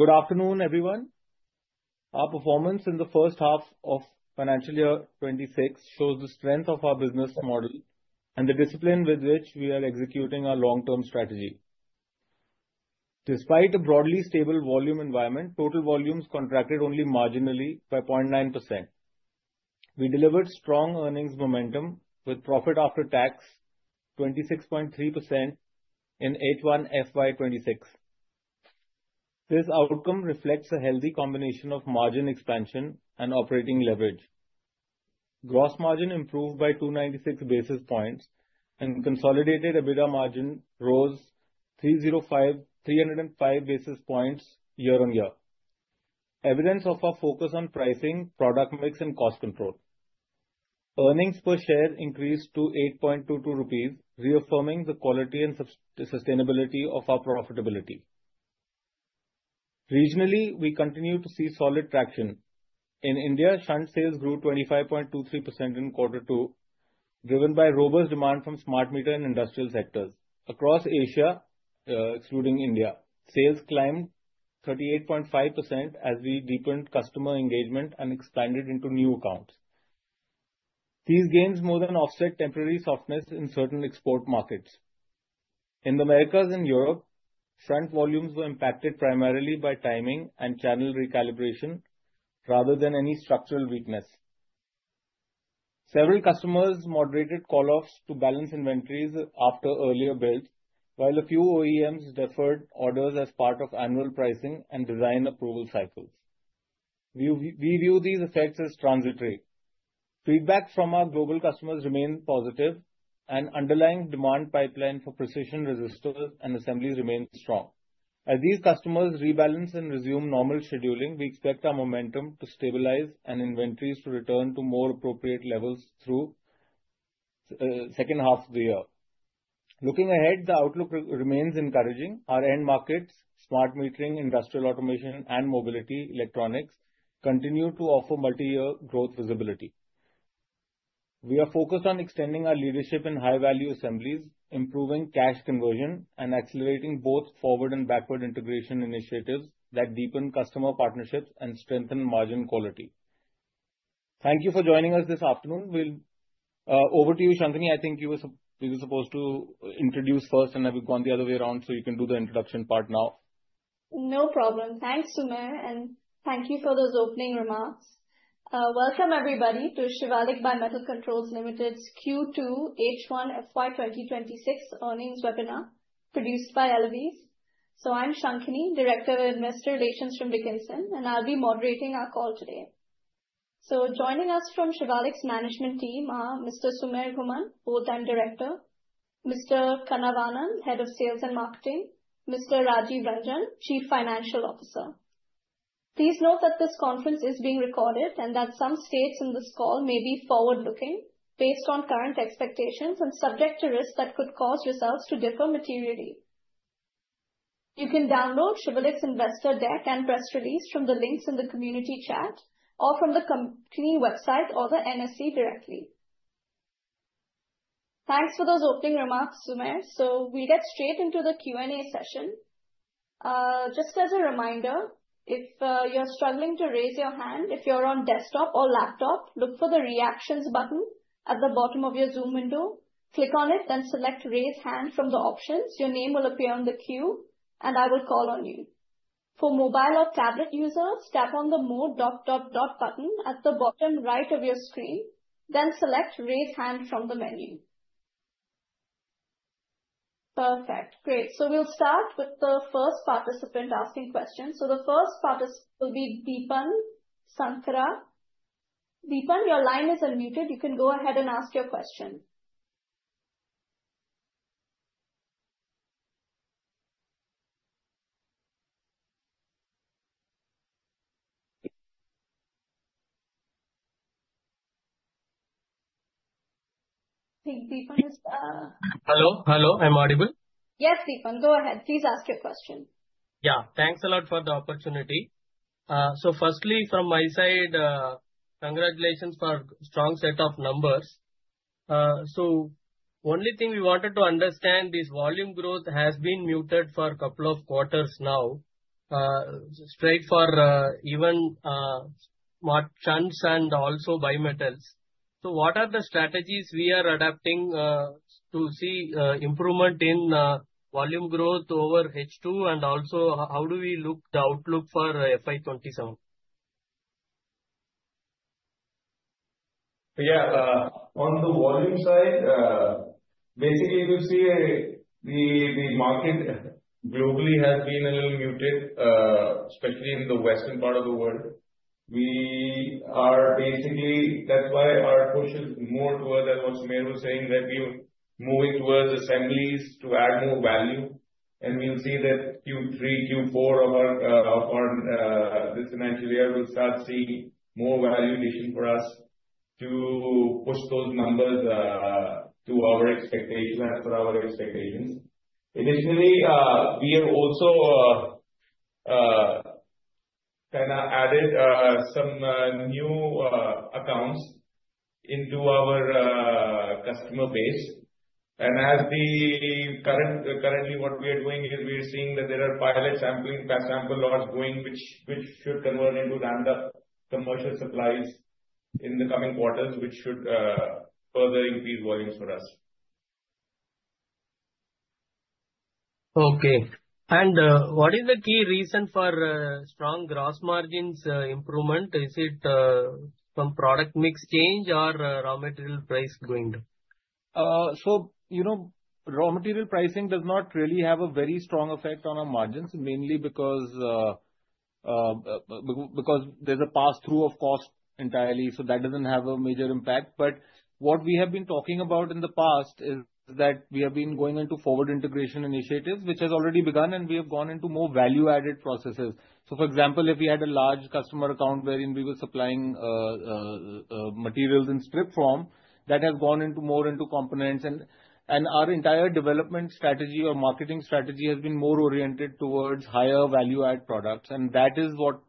Good afternoon, everyone. Our performance in the first half of financial year 2026 shows the strength of our business model and the discipline with which we are executing our long-term strategy. Despite a broadly stable volume environment, total volumes contracted only marginally by 0.9%. We delivered strong earnings momentum with profit after tax of 26.3% in H1FY 2026. This outcome reflects a healthy combination of margin expansion and operating leverage. Gross margin improved by 296 basis points and consolidated EBITDA margin rose 305 basis points year-on-year. Evidence of our focus on pricing, product mix, and cost control. Earnings per share increased to 8.22 rupees, reaffirming the quality and sustainability of our profitability. Regionally, we continue to see solid traction. In India, shunt sales grew 25.23% in Q2, driven by robust demand from smart meter and industrial sectors. Across Asia, excluding India, sales climbed 38.5% as we deepened customer engagement and expanded into new accounts. These gains more than offset temporary softness in certain export markets. In the Americas and Europe, shunt volumes were impacted primarily by timing and channel recalibration rather than any structural weakness. Several customers moderated call-offs to balance inventories after earlier builds, while a few OEMs deferred orders as part of annual pricing and design approval cycles. We view these effects as transitory. Feedback from our global customers remained positive, and underlying demand pipeline for precision resistors and assemblies remained strong. As these customers rebalance and resume normal scheduling, we expect our momentum to stabilize and inventories to return to more appropriate levels through the second half of the year. Looking ahead, the outlook remains encouraging. Our end markets, smart metering, industrial automation, and mobility electronics, continue to offer multi-year growth visibility. We are focused on extending our leadership in high-value assemblies, improving cash conversion, and accelerating both forward and backward integration initiatives that deepen customer partnerships and strengthen margin quality. Thank you for joining us this afternoon. Over to you, Shantanu. I think you were supposed to introduce first, and I've gone the other way around, so you can do the introduction part now. No problem. Thanks, Sumer, and thank you for those opening remarks. Welcome, everybody, to Shivalik Bimetal Controls Limited's Q2 H1FY 2026 earnings webinar produced by ELEVISE. I'm Shantanu, Director of Investor Relations from Dickenson, and I'll be moderating our call today. Joining us from Shivalik's management team are Mr. Sumer Basant Monga, Executive Director; Mr. Kanav Gupta, Head of Sales and Marketing; Mr. Rajeev Ranjan, Chief Financial Officer. Please note that this conference is being recorded and that some statements in this call may be forward-looking based on current expectations and subject to risks that could cause results to differ materially. You can download Shivalik's investor deck and press release from the links in the community chat or from the company website or the NSE directly. Thanks for those opening remarks, Sumer. We'll get straight into the Q&A session. Just as a reminder, if you're struggling to raise your hand, if you're on desktop or laptop, look for the Reactions button at the bottom of your Zoom window. Click on it, then select Raise Hand from the options. Your name will appear on the queue, and I will call on you. For mobile or tablet users, tap on the more dot dot dot button at the bottom right of your screen, then select Raise Hand from the menu. Perfect. Great. So we'll start with the first participant asking questions. So the first participant will be Deepan Shankar. Deepan, your line is unmuted. You can go ahead and ask your question. Hello. Hello. I'm audible? Yes, Deepan. Go ahead. Please ask your question. Yeah. Thanks a lot for the opportunity. So firstly, from my side, congratulations for a strong set of numbers. So the only thing we wanted to understand is volume growth has been muted for a couple of quarters now, straight for even shunts and also bimetals. So what are the strategies we are adapting to see improvement in volume growth over H2 and also how do we look at the outlook for FY 2027? Yeah. On the volume side, basically, we'll see the market globally has been a little muted, especially in the western part of the world. That's why our push is more towards what Sumer was saying, that we are moving towards assemblies to add more value. And we'll see that Q3, Q4 of our financial year will start seeing more value addition for us to push those numbers to our expectations and for our expectations. Additionally, we have also kind of added some new accounts into our customer base. And as currently, what we are doing is we are seeing that there are pilot sampling, sample lots going, which should convert into random commercial supplies in the coming quarters, which should further increase volumes for us. Okay. And what is the key reason for strong gross margins improvement? Is it from product mix change or raw material price going down? So raw material pricing does not really have a very strong effect on our margins, mainly because there's a pass-through of cost entirely. So that doesn't have a major impact. But what we have been talking about in the past is that we have been going into forward integration initiatives, which has already begun, and we have gone into more value-added processes. So for example, if we had a large customer account wherein we were supplying materials in strip form, that has gone more into components. And our entire development strategy or marketing strategy has been more oriented towards higher value-add products. And that is what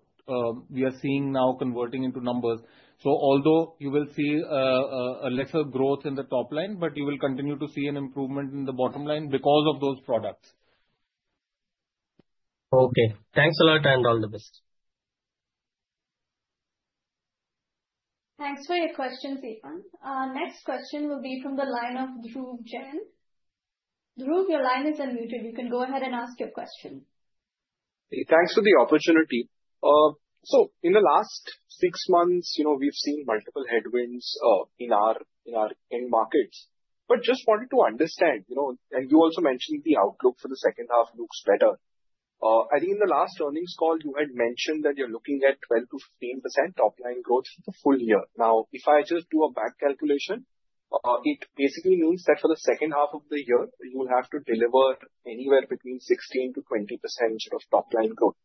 we are seeing now converting into numbers. So although you will see a lesser growth in the top line, but you will continue to see an improvement in the bottom line because of those products. Okay. Thanks a lot and all the best. Thanks for your questions, Deepan. Next question will be from the line of Dhruv Jain. Dhruv, your line is unmuted. You can go ahead and ask your question. 20Thanks for the opportunity. So in the last six months, we've seen multiple headwinds in our end markets. But just wanted to understand, and you also mentioned the outlook for the second half looks better. I think in the last earnings call, you had mentioned that you're looking at 12%-15% top-line growth for the full year. Now, if I just do a back calculation, it basically means that for the second half of the year, you will have to deliver anywhere between 16%-20% of top-line growth.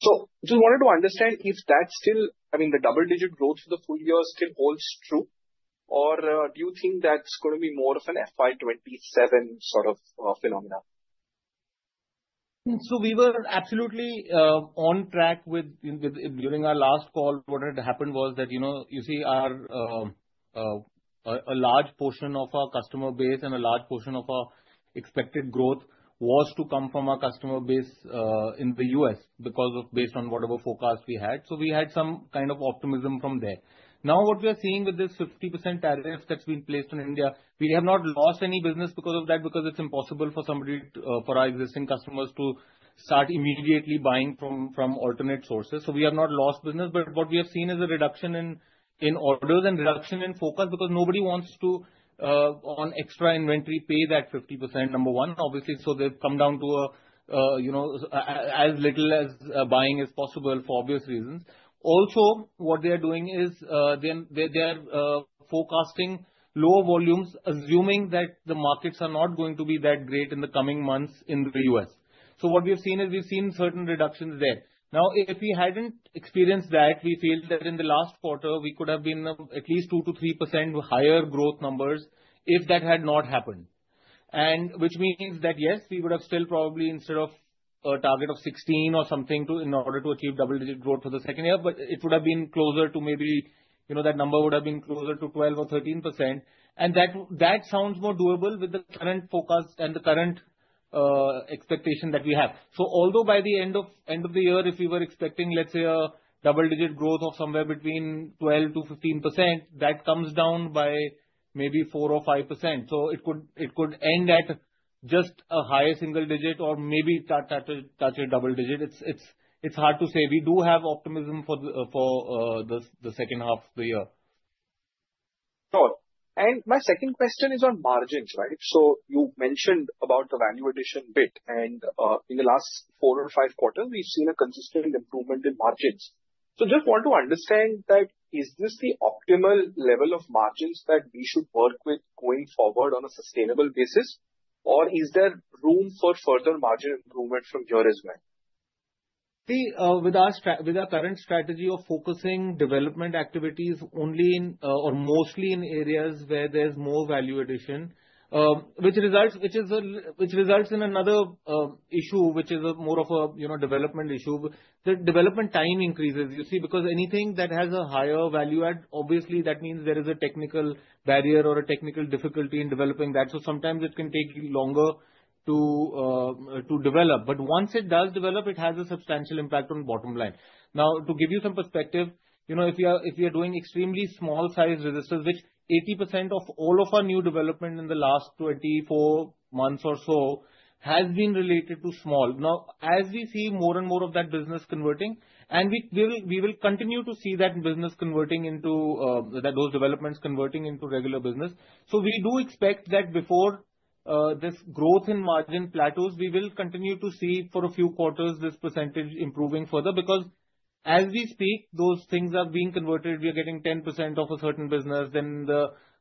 So just wanted to understand if that still, I mean, the double-digit growth for the full year still holds true, or do you think that's going to be more of an FY 2027 sort of phenomenon? So we were absolutely on track with during our last call. What had happened was that you see a large portion of our customer base and a large portion of our expected growth was to come from our customer base in the U.S. based on whatever forecast we had. So we had some kind of optimism from there. Now, what we are seeing with this 50% tariff that's been placed on India, we have not lost any business because of that, because it's impossible for our existing customers to start immediately buying from alternate sources. So we have not lost business. But what we have seen is a reduction in orders and reduction in focus because nobody wants to, on extra inventory, pay that 50%, number one, obviously. So they've come down to as little as buying as possible for obvious reasons. Also, what they are doing is they are forecasting lower volumes, assuming that the markets are not going to be that great in the coming months in the U.S. So what we have seen is we've seen certain reductions there. Now, if we hadn't experienced that, we feel that in the last quarter, we could have been at least 2%-3% higher growth numbers if that had not happened, which means that, yes, we would have still probably, instead of a target of 16% or something in order to achieve double-digit growth for the second year, but it would have been closer to maybe that number would have been closer to 12% or 13%, and that sounds more doable with the current focus and the current expectation that we have. Although by the end of the year, if we were expecting, let's say, a double-digit growth of somewhere between 12%-15%, that comes down by maybe 4% or 5%. It could end at just a higher single-digit or maybe touch a double-digit. It's hard to say. We do have optimism for the second half of the year. Sure. And my second question is on margins, right? So you mentioned about the value addition bit. And in the last four or five quarters, we've seen a consistent improvement in margins. So just want to understand that is this the optimal level of margins that we should work with going forward on a sustainable basis, or is there room for further margin improvement from here as well? See, with our current strategy of focusing development activities only in or mostly in areas where there's more value addition, which results in another issue, which is more of a development issue, the development time increases, you see, because anything that has a higher value add, obviously, that means there is a technical barrier or a technical difficulty in developing that, so sometimes it can take longer to develop, but once it does develop, it has a substantial impact on bottom line. Now, to give you some perspective, if we are doing extremely small-sized resistors, which 80% of all of our new development in the last 24 months or so has been related to small. Now, as we see more and more of that business converting, and we will continue to see that business converting into those developments converting into regular business. So we do expect that before this growth in margin plateaus, we will continue to see for a few quarters this percentage improving further because as we speak, those things are being converted. We are getting 10% of a certain business. Then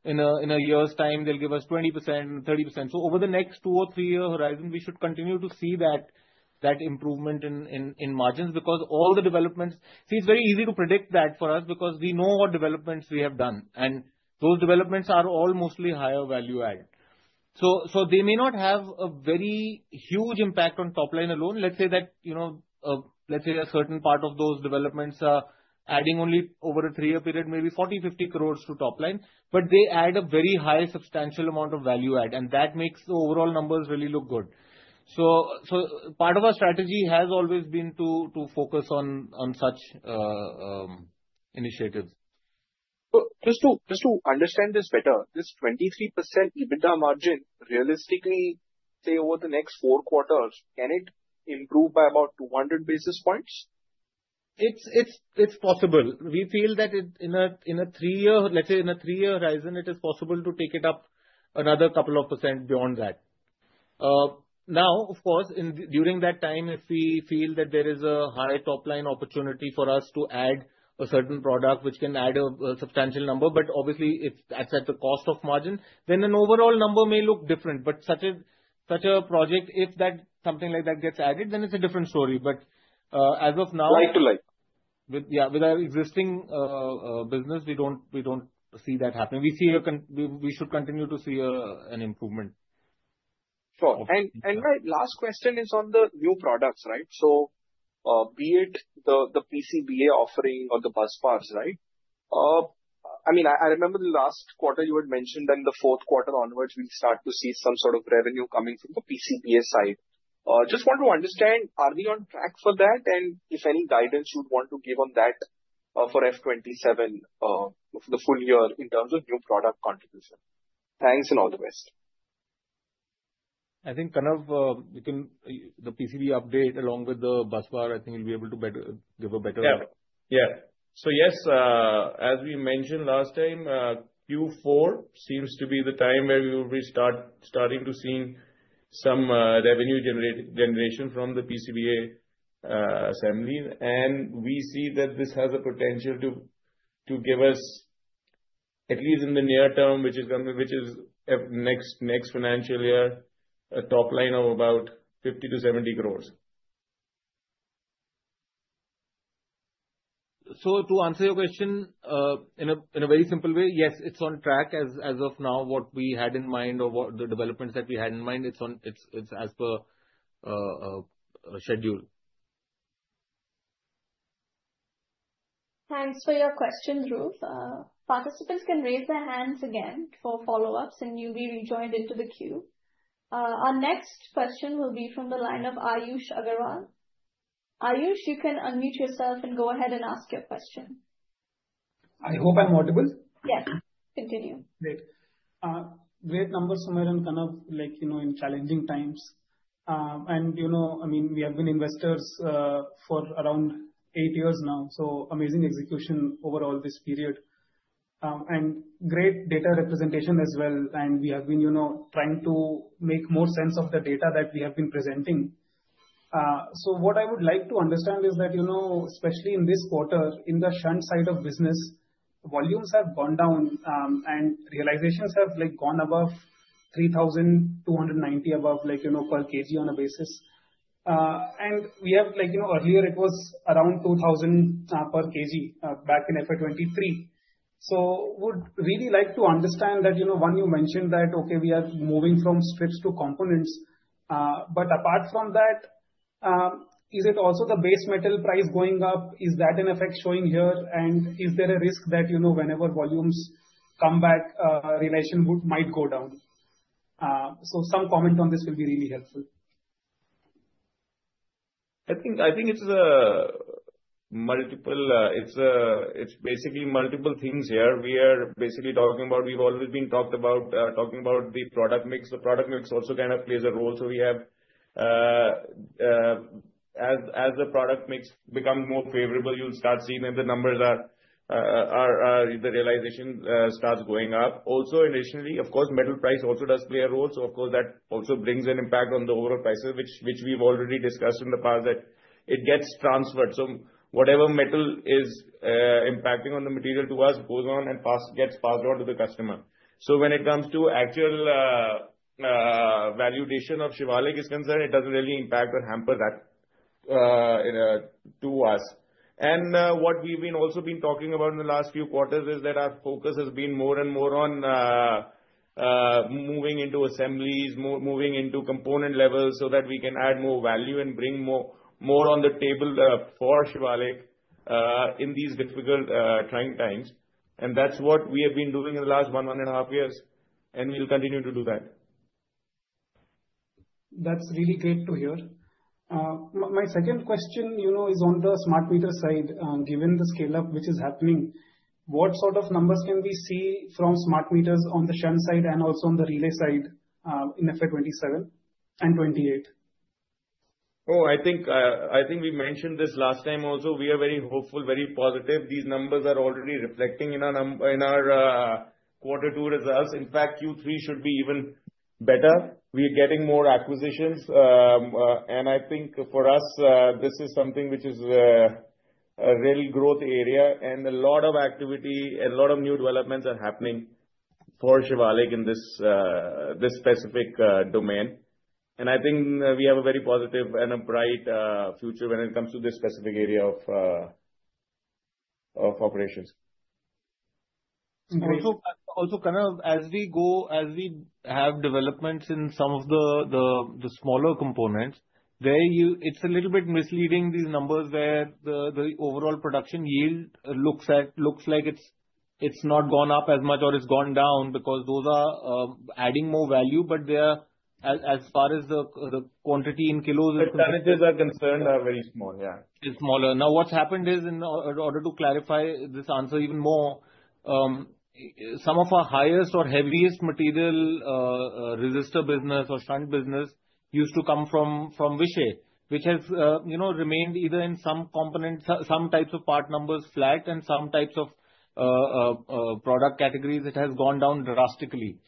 in a year's time, they'll give us 20%-30%. So over the next two- or three-year horizon, we should continue to see that improvement in margins because all the developments, see, it's very easy to predict that for us because we know what developments we have done. And those developments are all mostly higher value-add. So they may not have a very huge impact on top line alone. Let's say that, let's say, a certain part of those developments are adding only over a three-year period, maybe 40-50 crores to top line, but they add a very high substantial amount of value-add. That makes the overall numbers really look good. Part of our strategy has always been to focus on such initiatives. Just to understand this better, this 23% EBITDA margin, realistically, say, over the next four quarters, can it improve by about 200 basis points? It's possible. We feel that in a three-year, let's say, in a three-year horizon, it is possible to take it up another couple of % beyond that. Now, of course, during that time, if we feel that there is a high top-line opportunity for us to add a certain product, which can add a substantial number, but obviously, it's at the cost of margin, then an overall number may look different. But such a project, if something like that gets added, then it's a different story. But as of now. Like to like. Yeah. With our existing business, we don't see that happening. We should continue to see an improvement. Sure. And my last question is on the new products, right? So be it the PCBA offering or the bus bars, right? I mean, I remember the last quarter you had mentioned that in the fourth quarter onwards, we'll start to see some sort of revenue coming from the PCBA side. Just want to understand, are we on track for that? And if any guidance you'd want to give on that for F27 for the full year in terms of new product contribution? Thanks and all the best. I think kind of the PCB update along with the busbar, I think we'll be able to give a better. Yeah. Yeah. So yes, as we mentioned last time, Q4 seems to be the time where we will be starting to see some revenue generation from the PCBA assembly. And we see that this has a potential to give us, at least in the near term, which is next financial year, a top line of about 50-70 crores. So, to answer your question in a very simple way, yes, it's on track as of now, what we had in mind or the developments that we had in mind. It's as per schedule. Thanks for your question, Dhruv. Participants can raise their hands again for follow-ups, and you'll be rejoined into the queue. Our next question will be from the line of Ayush Agarwal. Ayush, you can unmute yourself and go ahead and ask your question. I hope I'm audible. Yes. Continue. Great. Great numbers, Sumer, kind of in challenging times. I mean, we have been investors for around eight years now, so amazing execution over all this period. Great data representation as well. We have been trying to make more sense of the data that we have been presenting. So what I would like to understand is that, especially in this quarter, in the shunt side of business, volumes have gone down and realizations have gone above 3,290 above per kg on a basis. Earlier, it was around 2,000 per kg back in FY 2023. So we'd really like to understand that when you mentioned that, okay, we are moving from strips to components. But apart from that, is it also the base metal price going up? Is that in effect showing here? Is there a risk that whenever volumes come back, realization might go down? So some comment on this will be really helpful. I think it's a multiple. It's basically multiple things here. We are basically talking about we've always been talking about the product mix. The product mix also kind of plays a role. So as the product mix becomes more favorable, you'll start seeing that the numbers are the realization starts going up. Also, additionally, of course, metal price also does play a role. So of course, that also brings an impact on the overall prices, which we've already discussed in the past that it gets transferred. So whatever metal is impacting on the material to us goes on and gets passed on to the customer. So when it comes to actual valuation of Shivalik is concerned, it doesn't really impact or hamper that to us. And what we've also been talking about in the last few quarters is that our focus has been more and more on moving into assemblies, moving into component levels so that we can add more value and bring more on the table for Shivalik in these difficult trying times. And that's what we have been doing in the last one and a half years, and we'll continue to do that. That's really great to hear. My second question is on the smart meter side. Given the scale-up which is happening, what sort of numbers can we see from smart meters on the shunt side and also on the relay side in FY 2027 and 2028? Oh, I think we mentioned this last time also. We are very hopeful, very positive. These numbers are already reflecting in our quarter two results. In fact, Q3 should be even better. We are getting more acquisitions. And I think for us, this is something which is a real growth area and a lot of activity, a lot of new developments are happening for Shivalik in this specific domain. And I think we have a very positive and a bright future when it comes to this specific area of operations. Also, kind of as we have developments in some of the smaller components, it's a little bit misleading. These numbers where the overall production yield looks like it's not gone up as much or it's gone down because those are adding more value, but as far as the quantity in kilos. Percentages are concerned are very small, yeah. Smaller. Now, what's happened is, in order to clarify this answer even more, some of our highest or heaviest material resistor business or shunt business used to come from Vishay, which has remained either in some types of part numbers flat and some types of product categories. It has gone down drastically,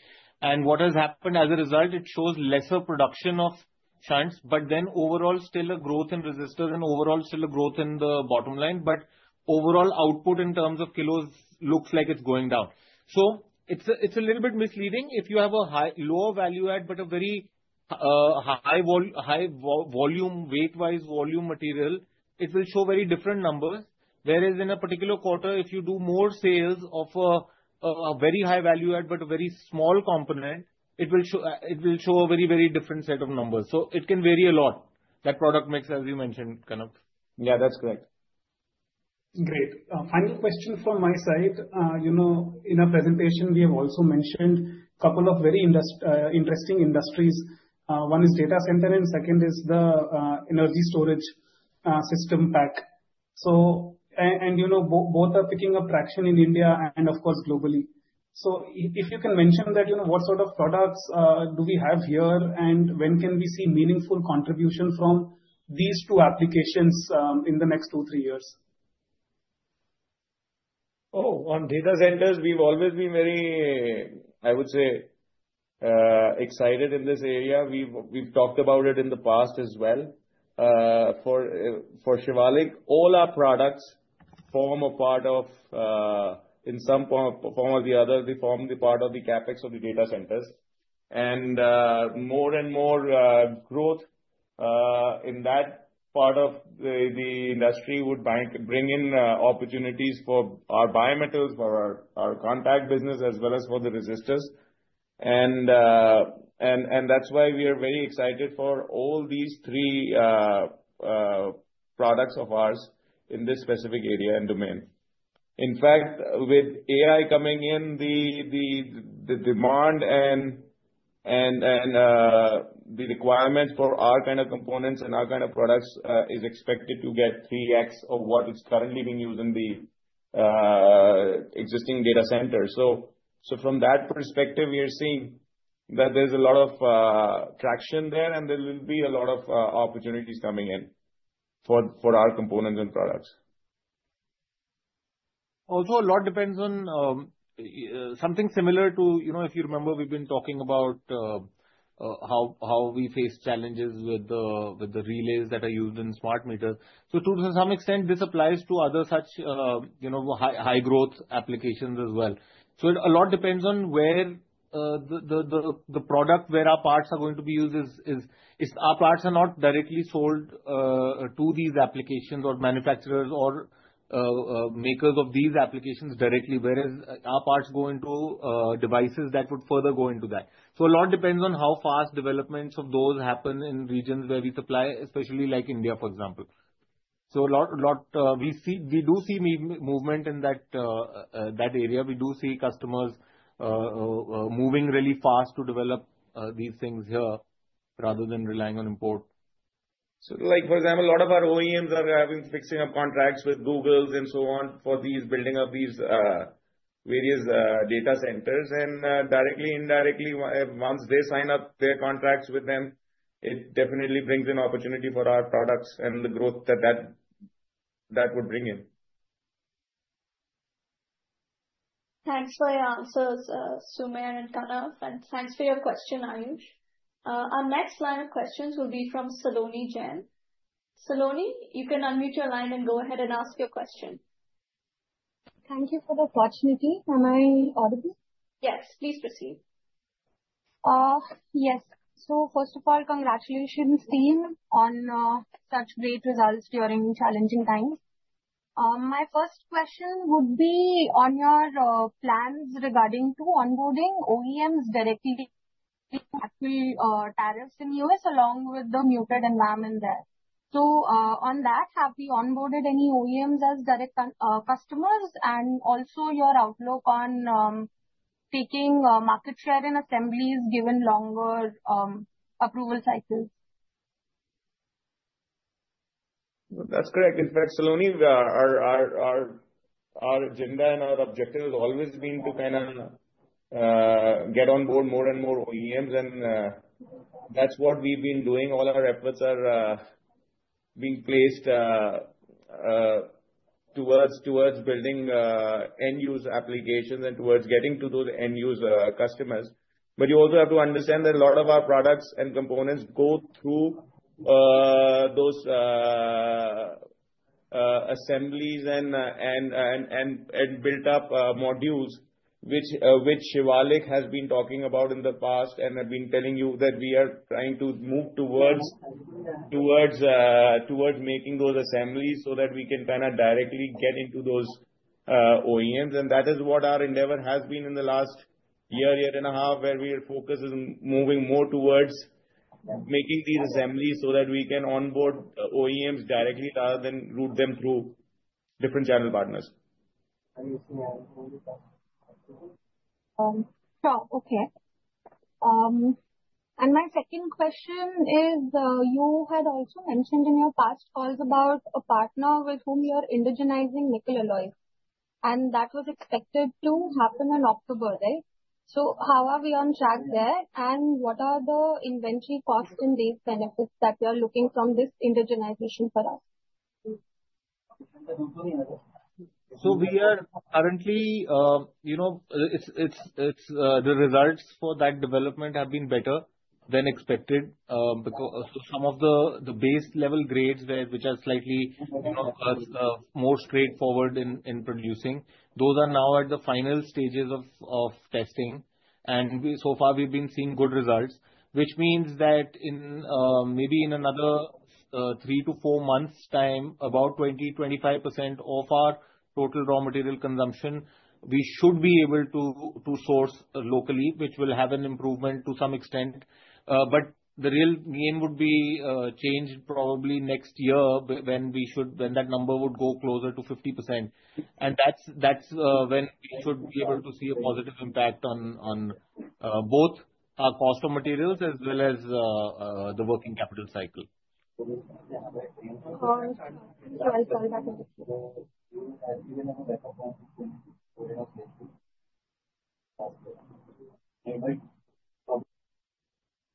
and what has happened as a result, it shows lesser production of shunts, but then overall still a growth in resistors and overall still a growth in the bottom line, but overall output in terms of kilos looks like it's going down, so it's a little bit misleading. If you have a lower value add but a very high volume, weight-wise volume material, it will show very different numbers. Whereas in a particular quarter, if you do more sales of a very high value add but a very small component, it will show a very, very different set of numbers. So it can vary a lot, that product mix, as you mentioned, kind of. Yeah, that's correct. Great. Final question from my side. In our presentation, we have also mentioned a couple of very interesting industries. One is data center, and second is the energy storage system pack. And both are picking up traction in India and, of course, globally. So if you can mention that, what sort of products do we have here? And when can we see meaningful contribution from these two applications in the next two, three years? Oh, on data centers, we've always been very, I would say, excited in this area. We've talked about it in the past as well. For Shivalik, all our products form a part of, in some form or the other, they form the part of the CapEx of the data centers. And more and more growth in that part of the industry would bring in opportunities for our bimetals, for our contact business, as well as for the resistors. And that's why we are very excited for all these three products of ours in this specific area and domain. In fact, with AI coming in, the demand and the requirements for our kind of components and our kind of products is expected to get 3x of what is currently being used in the existing data centers. So from that perspective, we are seeing that there's a lot of traction there, and there will be a lot of opportunities coming in for our components and products. Also, a lot depends on something similar to if you remember, we've been talking about how we face challenges with the relays that are used in smart meters. So to some extent, this applies to other such high-growth applications as well. So a lot depends on where the product, where our parts are going to be used. Our parts are not directly sold to these applications or manufacturers or makers of these applications directly, whereas our parts go into devices that would further go into that. So a lot depends on how fast developments of those happen in regions where we supply, especially like India, for example. So we do see movement in that area. We do see customers moving really fast to develop these things here rather than relying on import. So, for example, a lot of our OEMs are fixing up contracts with Google's and so on for building up these various data centers. And directly, indirectly, once they sign up their contracts with them, it definitely brings an opportunity for our products and the growth that that would bring in. Thanks for your answers, Sumer and Kanav, and thanks for your question, Ayush. Our next line of questions will be from Saloni Jain. Saloni, you can unmute your line and go ahead and ask your question. Thank you for the opportunity. Am I audible? Yes, please proceed. Yes. So first of all, congratulations, team, on such great results during challenging times. My first question would be on your plans regarding to onboarding OEMs directly to actual tariffs in the U.S. along with the muted environment there. So on that, have we onboarded any OEMs as direct customers? And also your outlook on taking market share in assemblies given longer approval cycles? That's correct. In fact, Saloni, our agenda and our objective has always been to kind of get on board more and more OEMs. And that's what we've been doing. All our efforts are being placed towards building end-use applications and towards getting to those end-use customers. But you also have to understand that a lot of our products and components go through those assemblies and built-up modules, which Shivalik has been talking about in the past and have been telling you that we are trying to move towards making those assemblies so that we can kind of directly get into those OEMs. And that is what our endeavor has been in the last year, year and a half, where we are focusing on moving more towards making these assemblies so that we can onboard OEMs directly rather than route them through different channel partners. Sure. Okay. And my second question is, you had also mentioned in your past calls about a partner with whom you are indigenizing nickel alloy. And that was expected to happen in October, right? So how are we on track there? And what are the inventory costs and base benefits that you are looking from this indigenization for us? The results for that development have been better than expected. Some of the base-level grades, which are slightly more straightforward in producing, those are now at the final stages of testing. So far, we've been seeing good results, which means that maybe in another three to four months' time, about 20%-25% of our total raw material consumption, we should be able to source locally, which will have an improvement to some extent. The real gain would be changed probably next year when that number would go closer to 50%. That's when we should be able to see a positive impact on both our cost of materials as well as the working capital cycle.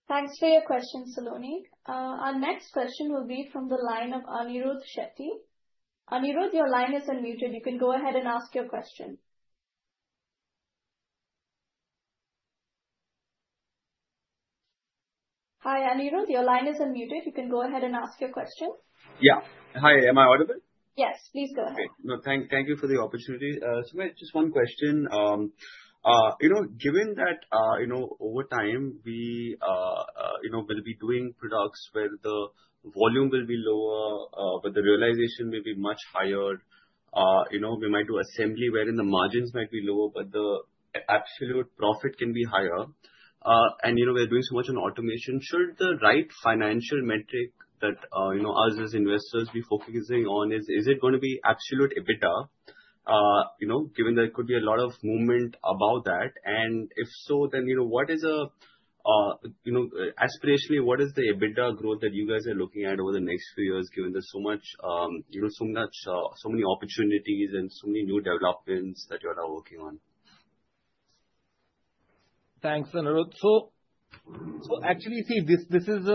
Thanks for your question, Saloni. Our next question will be from the line of Aniruddh Shetty. Aniruddh, your line is unmuted. You can go ahead and ask your question. Hi, Aniruddh. Your line is unmuted. You can go ahead and ask your question. Yeah. Hi. Am I audible? Yes, please go ahead. Okay. Thank you for the opportunity. So just one question. Given that over time, we will be doing products where the volume will be lower, but the realization may be much higher. We might do assembly wherein the margins might be lower, but the absolute profit can be higher. And we're doing so much on automation. Should the right financial metric that us as investors be focusing on, is it going to be absolute EBITDA given that there could be a lot of movement about that? And if so, then what is aspirationally, what is the EBITDA growth that you guys are looking at over the next few years given there's so many opportunities and so many new developments that you're all working on? Thanks, Aniruddh. So actually, see, this is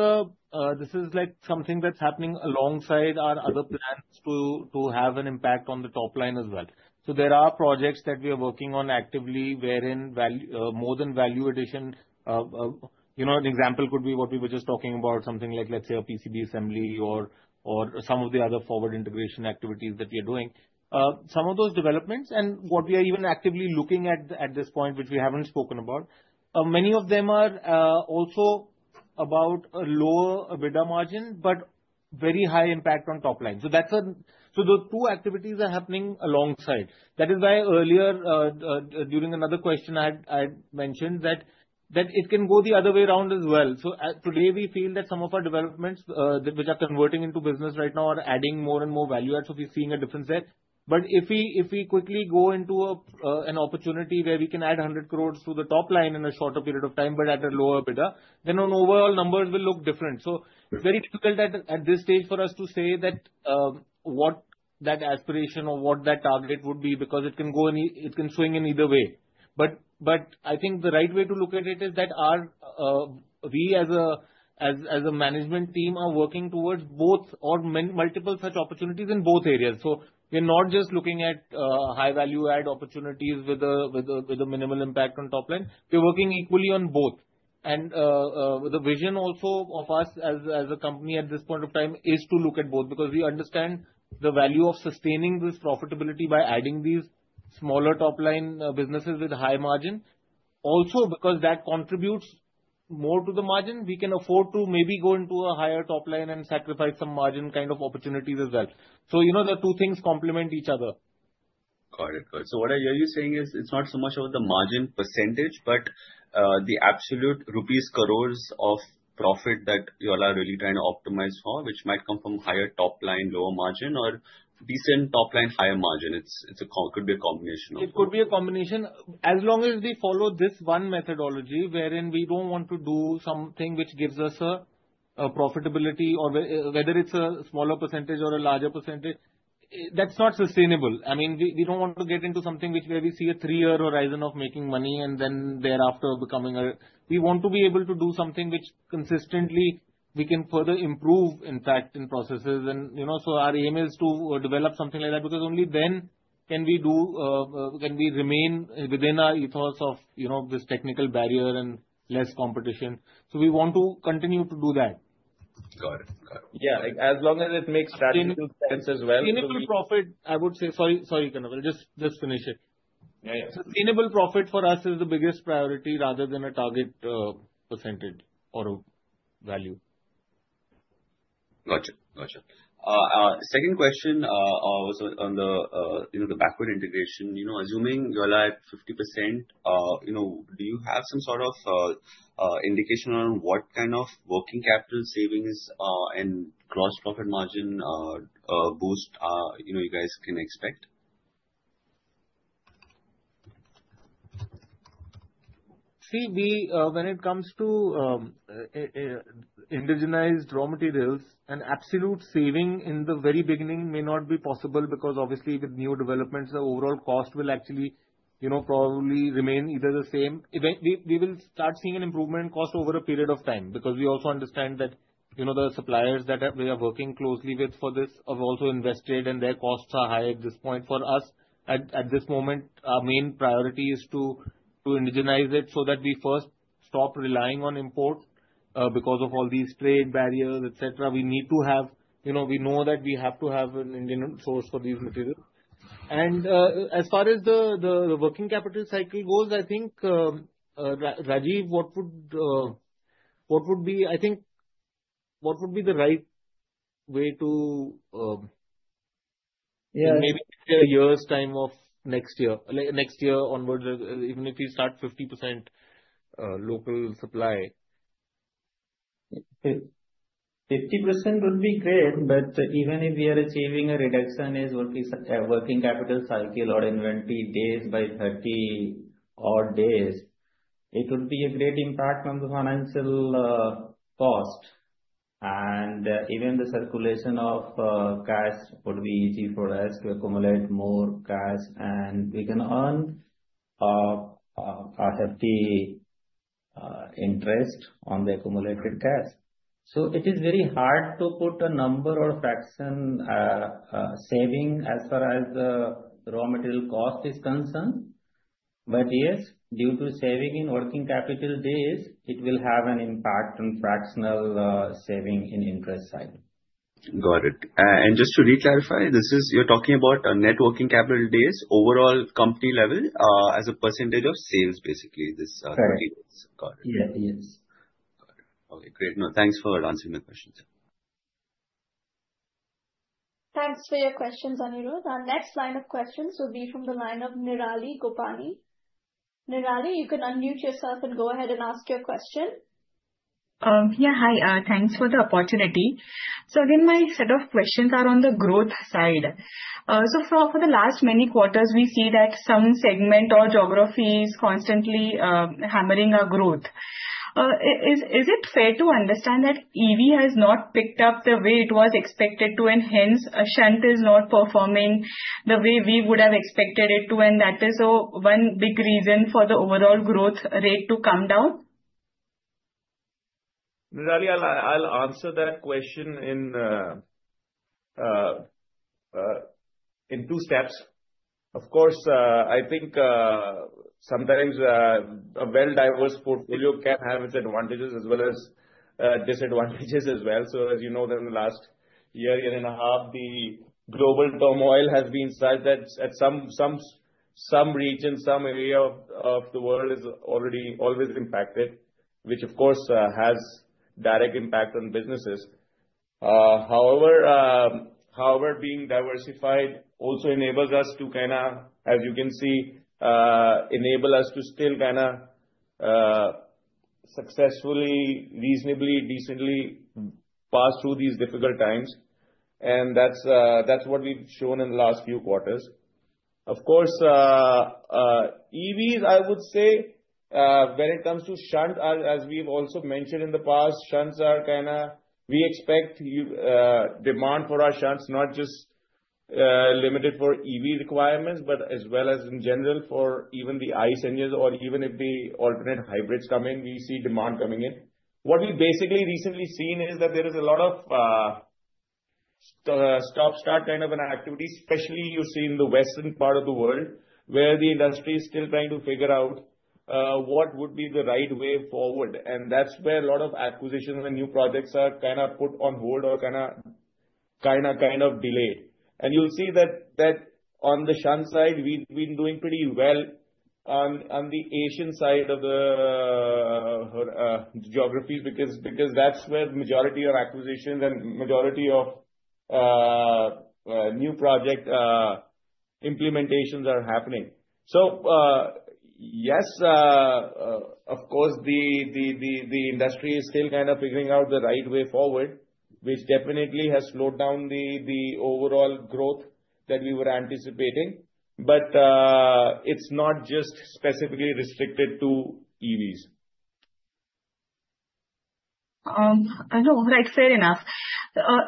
something that's happening alongside our other plans to have an impact on the top line as well. So there are projects that we are working on actively wherein more than value addition, an example could be what we were just talking about, something like, let's say, a PCB assembly or some of the other forward integration activities that we are doing. Some of those developments and what we are even actively looking at at this point, which we haven't spoken about, many of them are also about a lower EBITDA margin, but very high impact on top line. So those two activities are happening alongside. That is why earlier, during another question, I had mentioned that it can go the other way around as well. So today, we feel that some of our developments, which are converting into business right now, are adding more and more value. So we're seeing a different set. But if we quickly go into an opportunity where we can add 100 crores to the top line in a shorter period of time, but at a lower EBITDA, then on overall numbers, we'll look different. So it's very difficult at this stage for us to say that what that aspiration or what that target would be because it can swing in either way. But I think the right way to look at it is that we, as a management team, are working towards both or multiple such opportunities in both areas. So we're not just looking at high-value-add opportunities with a minimal impact on top line. We're working equally on both. And the vision also of us as a company at this point of time is to look at both because we understand the value of sustaining this profitability by adding these smaller top-line businesses with high margin. Also, because that contributes more to the margin, we can afford to maybe go into a higher top line and sacrifice some margin kind of opportunities as well. So the two things complement each other. Got it. Got it. So what I hear you saying is it's not so much about the margin percentage, but the absolute rupees crores of profit that you all are really trying to optimize for, which might come from higher top line, lower margin, or decent top line, higher margin. It could be a combination of. It could be a combination as long as we follow this one methodology wherein we don't want to do something which gives us a profitability, whether it's a smaller percentage or a larger percentage. That's not sustainable. I mean, we don't want to get into something where we see a three-year horizon of making money and then thereafter becoming a we want to be able to do something which consistently we can further improve, in fact, in processes. And so our aim is to develop something like that because only then can we remain within our ethos of this technical barrier and less competition. So we want to continue to do that. Got it. Got it. Yeah. As long as it makes strategic sense as well. Sustainable profit, I would say. Sorry, sorry, Kanav. Just finish it. Yeah, yeah. Sustainable profit for us is the biggest priority rather than a target percentage or value. Gotcha. Gotcha. Second question was on the backward integration. Assuming you all are at 50%, do you have some sort of indication on what kind of working capital savings and gross profit margin boost you guys can expect? See, when it comes to indigenized raw materials, an absolute saving in the very beginning may not be possible because, obviously, with new developments, the overall cost will actually probably remain either the same. We will start seeing an improvement in cost over a period of time because we also understand that the suppliers that we are working closely with for this have also invested, and their costs are high at this point. For us, at this moment, our main priority is to indigenize it so that we first stop relying on import because of all these trade barriers, etc. We need to have. We know that we have to have an Indian source for these materials. As far as the working capital cycle goes, I think, Rajeev, what would be the right way to maybe a year's time of next year onwards, even if we start 50% local supply? 50% would be great. But even if we are achieving a reduction in working capital cycle or inventory days by 30 odd days, it would be a great impact on the financial cost. And even the circulation of cash would be easy for us to accumulate more cash, and we can earn a hefty interest on the accumulated cash. So it is very hard to put a number or fraction saving as far as the raw material cost is concerned. But yes, due to saving in working capital days, it will have an impact on fractional saving in interest cycle. Got it. And just to reclarify, you're talking about net working capital days overall company level as a percentage of sales, basically, this 30 days. Got it. Yeah. Yes. Got it. Okay. Great. Thanks for answering the questions. Thanks for your questions, Aniruddh. Our next line of questions will be from the line of Nirali Gopani. Nirali, you can unmute yourself and go ahead and ask your question. Yeah. Hi. Thanks for the opportunity. So again, my set of questions are on the growth side. So for the last many quarters, we see that some segment or geography is constantly hammering our growth. Is it fair to understand that EV has not picked up the way it was expected to, and hence, a shunt is not performing the way we would have expected it to? And that is one big reason for the overall growth rate to come down? Nirali, I'll answer that question in two steps. Of course, I think sometimes a well-diverse portfolio can have its advantages as well as disadvantages as well. So as you know, in the last year and a half, the global turmoil has been such that in some region, some area of the world is already always impacted, which, of course, has a direct impact on businesses. However, being diversified also enables us to kind of, as you can see, still kind of successfully, reasonably, decently pass through these difficult times. That's what we've shown in the last few quarters. Of course, EVs, I would say, when it comes to shunts, as we've also mentioned in the past, shunts are kind of, we expect demand for our shunts, not just limited for EV requirements, but as well as in general for even the ICE engines or even if the alternate hybrids come in, we see demand coming in. What we basically recently seen is that there is a lot of stop-start kind of an activity, especially you see in the western part of the world where the industry is still trying to figure out what would be the right way forward. That's where a lot of acquisitions and new projects are kind of put on hold or kind of delayed. You'll see that on the shunt side, we've been doing pretty well on the Asian side of the geographies because that's where the majority of acquisitions and majority of new project implementations are happening. Yes, of course, the industry is still kind of figuring out the right way forward, which definitely has slowed down the overall growth that we were anticipating. It's not just specifically restricted to EVs. I know. Right. Fair enough.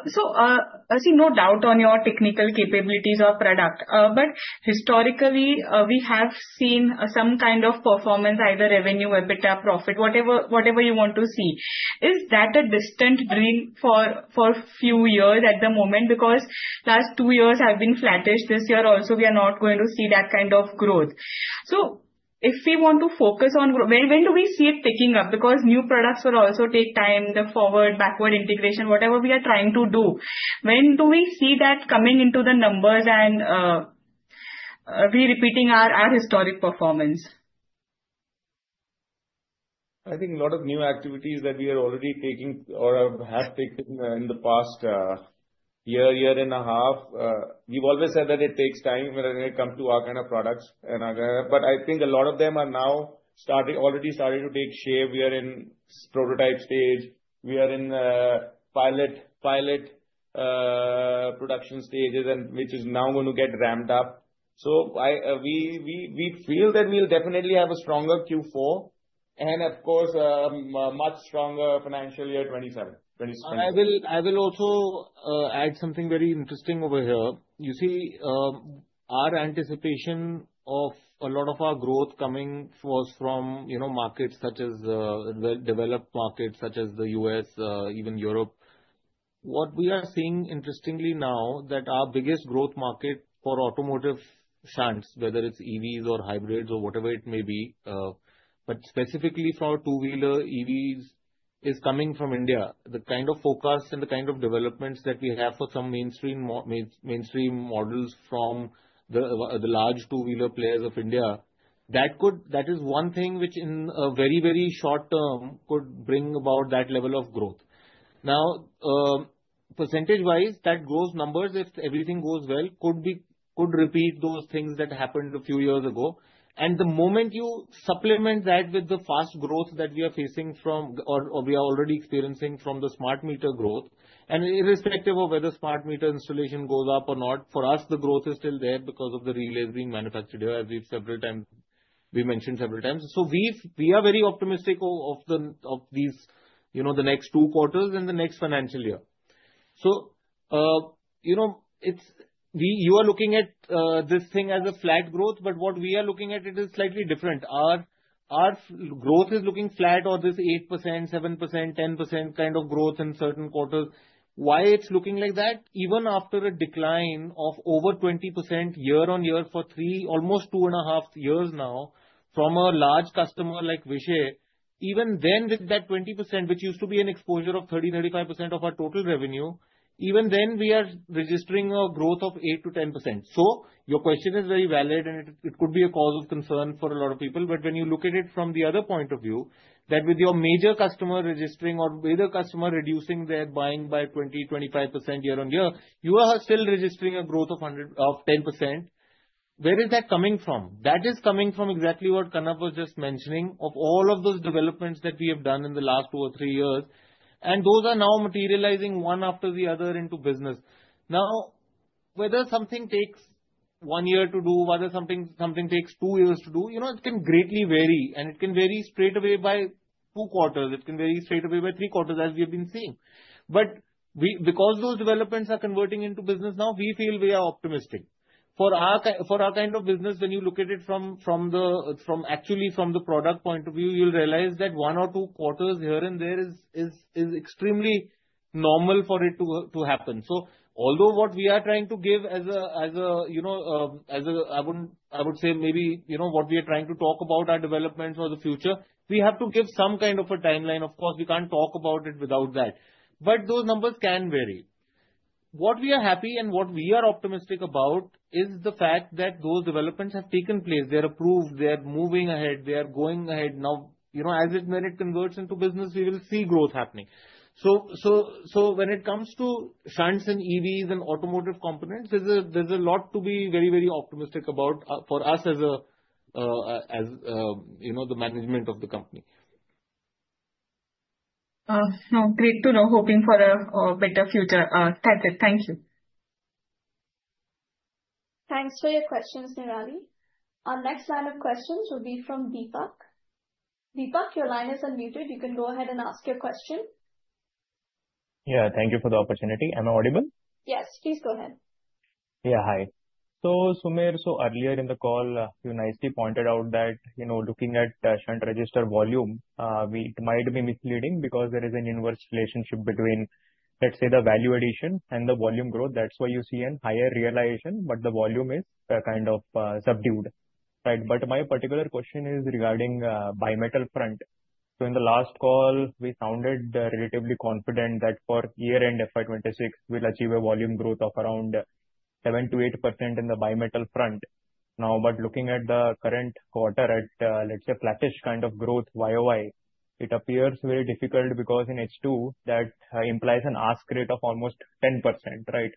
So I see no doubt on your technical capabilities or product. But historically, we have seen some kind of performance, either revenue, EBITDA, profit, whatever you want to see. Is that a distant dream for a few years at the moment? Because last two years have been flattish. This year also, we are not going to see that kind of growth. So if we want to focus on when do we see it picking up? Because new products will also take time, the forward, backward integration, whatever we are trying to do. When do we see that coming into the numbers and repeating our historic performance? I think a lot of new activities that we are already taking or have taken in the past year, year and a half. We've always said that it takes time when it comes to our kind of products. But I think a lot of them are now already starting to take shape. We are in prototype stage. We are in the pilot production stages, which is now going to get ramped up. So we feel that we'll definitely have a stronger Q4 and, of course, a much stronger financial year 2027. I will also add something very interesting over here. You see, our anticipation of a lot of our growth coming was from markets such as developed markets, such as the U.S., even Europe. What we are seeing interestingly now that our biggest growth market for automotive shunts, whether it's EVs or hybrids or whatever it may be, but specifically for two-wheeler EVs, is coming from India. The kind of forecasts and the kind of developments that we have for some mainstream models from the large two-wheeler players of India, that is one thing which in a very, very short term could bring about that level of growth. Now, percentage-wise, that growth numbers, if everything goes well, could repeat those things that happened a few years ago. The moment you supplement that with the fast growth that we are facing from or we are already experiencing from the smart meter growth, and irrespective of whether smart meter installation goes up or not, for us, the growth is still there because of the relays being manufactured here, as we've mentioned several times. We are very optimistic of the next two quarters and the next financial year. You are looking at this thing as a flat growth, but what we are looking at, it is slightly different. Our growth is looking flat or this 8%, 7%, 10% kind of growth in certain quarters. Why it's looking like that? Even after a decline of over 20% year on year for almost two and a half years now from a large customer like Vishay, even then with that 20%, which used to be an exposure of 30%-35% of our total revenue, even then we are registering a growth of 8%-10%. So your question is very valid, and it could be a cause of concern for a lot of people. But when you look at it from the other point of view, that with your major customer registering or with a customer reducing their buying by 20%-25% year on year, you are still registering a growth of 10%. Where is that coming from? That is coming from exactly what Kanav was just mentioning of all of those developments that we have done in the last two or three years. And those are now materializing one after the other into business. Now, whether something takes one year to do, whether something takes two years to do, it can greatly vary. And it can vary straight away by two quarters. It can vary straight away by three quarters, as we have been seeing. But because those developments are converting into business now, we feel we are optimistic. For our kind of business, when you look at it from actually from the product point of view, you'll realize that one or two quarters here and there is extremely normal for it to happen. So although what we are trying to give as a, I would say maybe what we are trying to talk about are developments for the future, we have to give some kind of a timeline. Of course, we can't talk about it without that. But those numbers can vary. What we are happy and what we are optimistic about is the fact that those developments have taken place. They are approved. They are moving ahead. They are going ahead. Now, as it converts into business, we will see growth happening. So when it comes to shunts and EVs and automotive components, there's a lot to be very, very optimistic about for us as the management of the company. Great to know. Hoping for a better future. That's it. Thank you. Thanks for your questions, Nirali. Our next line of questions will be from Deepak. Deepak, your line is unmuted. You can go ahead and ask your question. Yeah. Thank you for the opportunity. Am I audible? Yes. Please go ahead. Yeah. Hi. So, Sumer, so earlier in the call, you nicely pointed out that looking at shunt resistor volume, it might be misleading because there is an inverse relationship between, let's say, the value addition and the volume growth. That's why you see a higher realization, but the volume is kind of subdued. Right. But my particular question is regarding bimetal front. So in the last call, we sounded relatively confident that for year-end FY 2026, we'll achieve a volume growth of around 7%-8% in the bimetal front. Now, but looking at the current quarter at, let's say, flattish kind of growth YOY, it appears very difficult because in H2, that implies a growth rate of almost 10%. Right.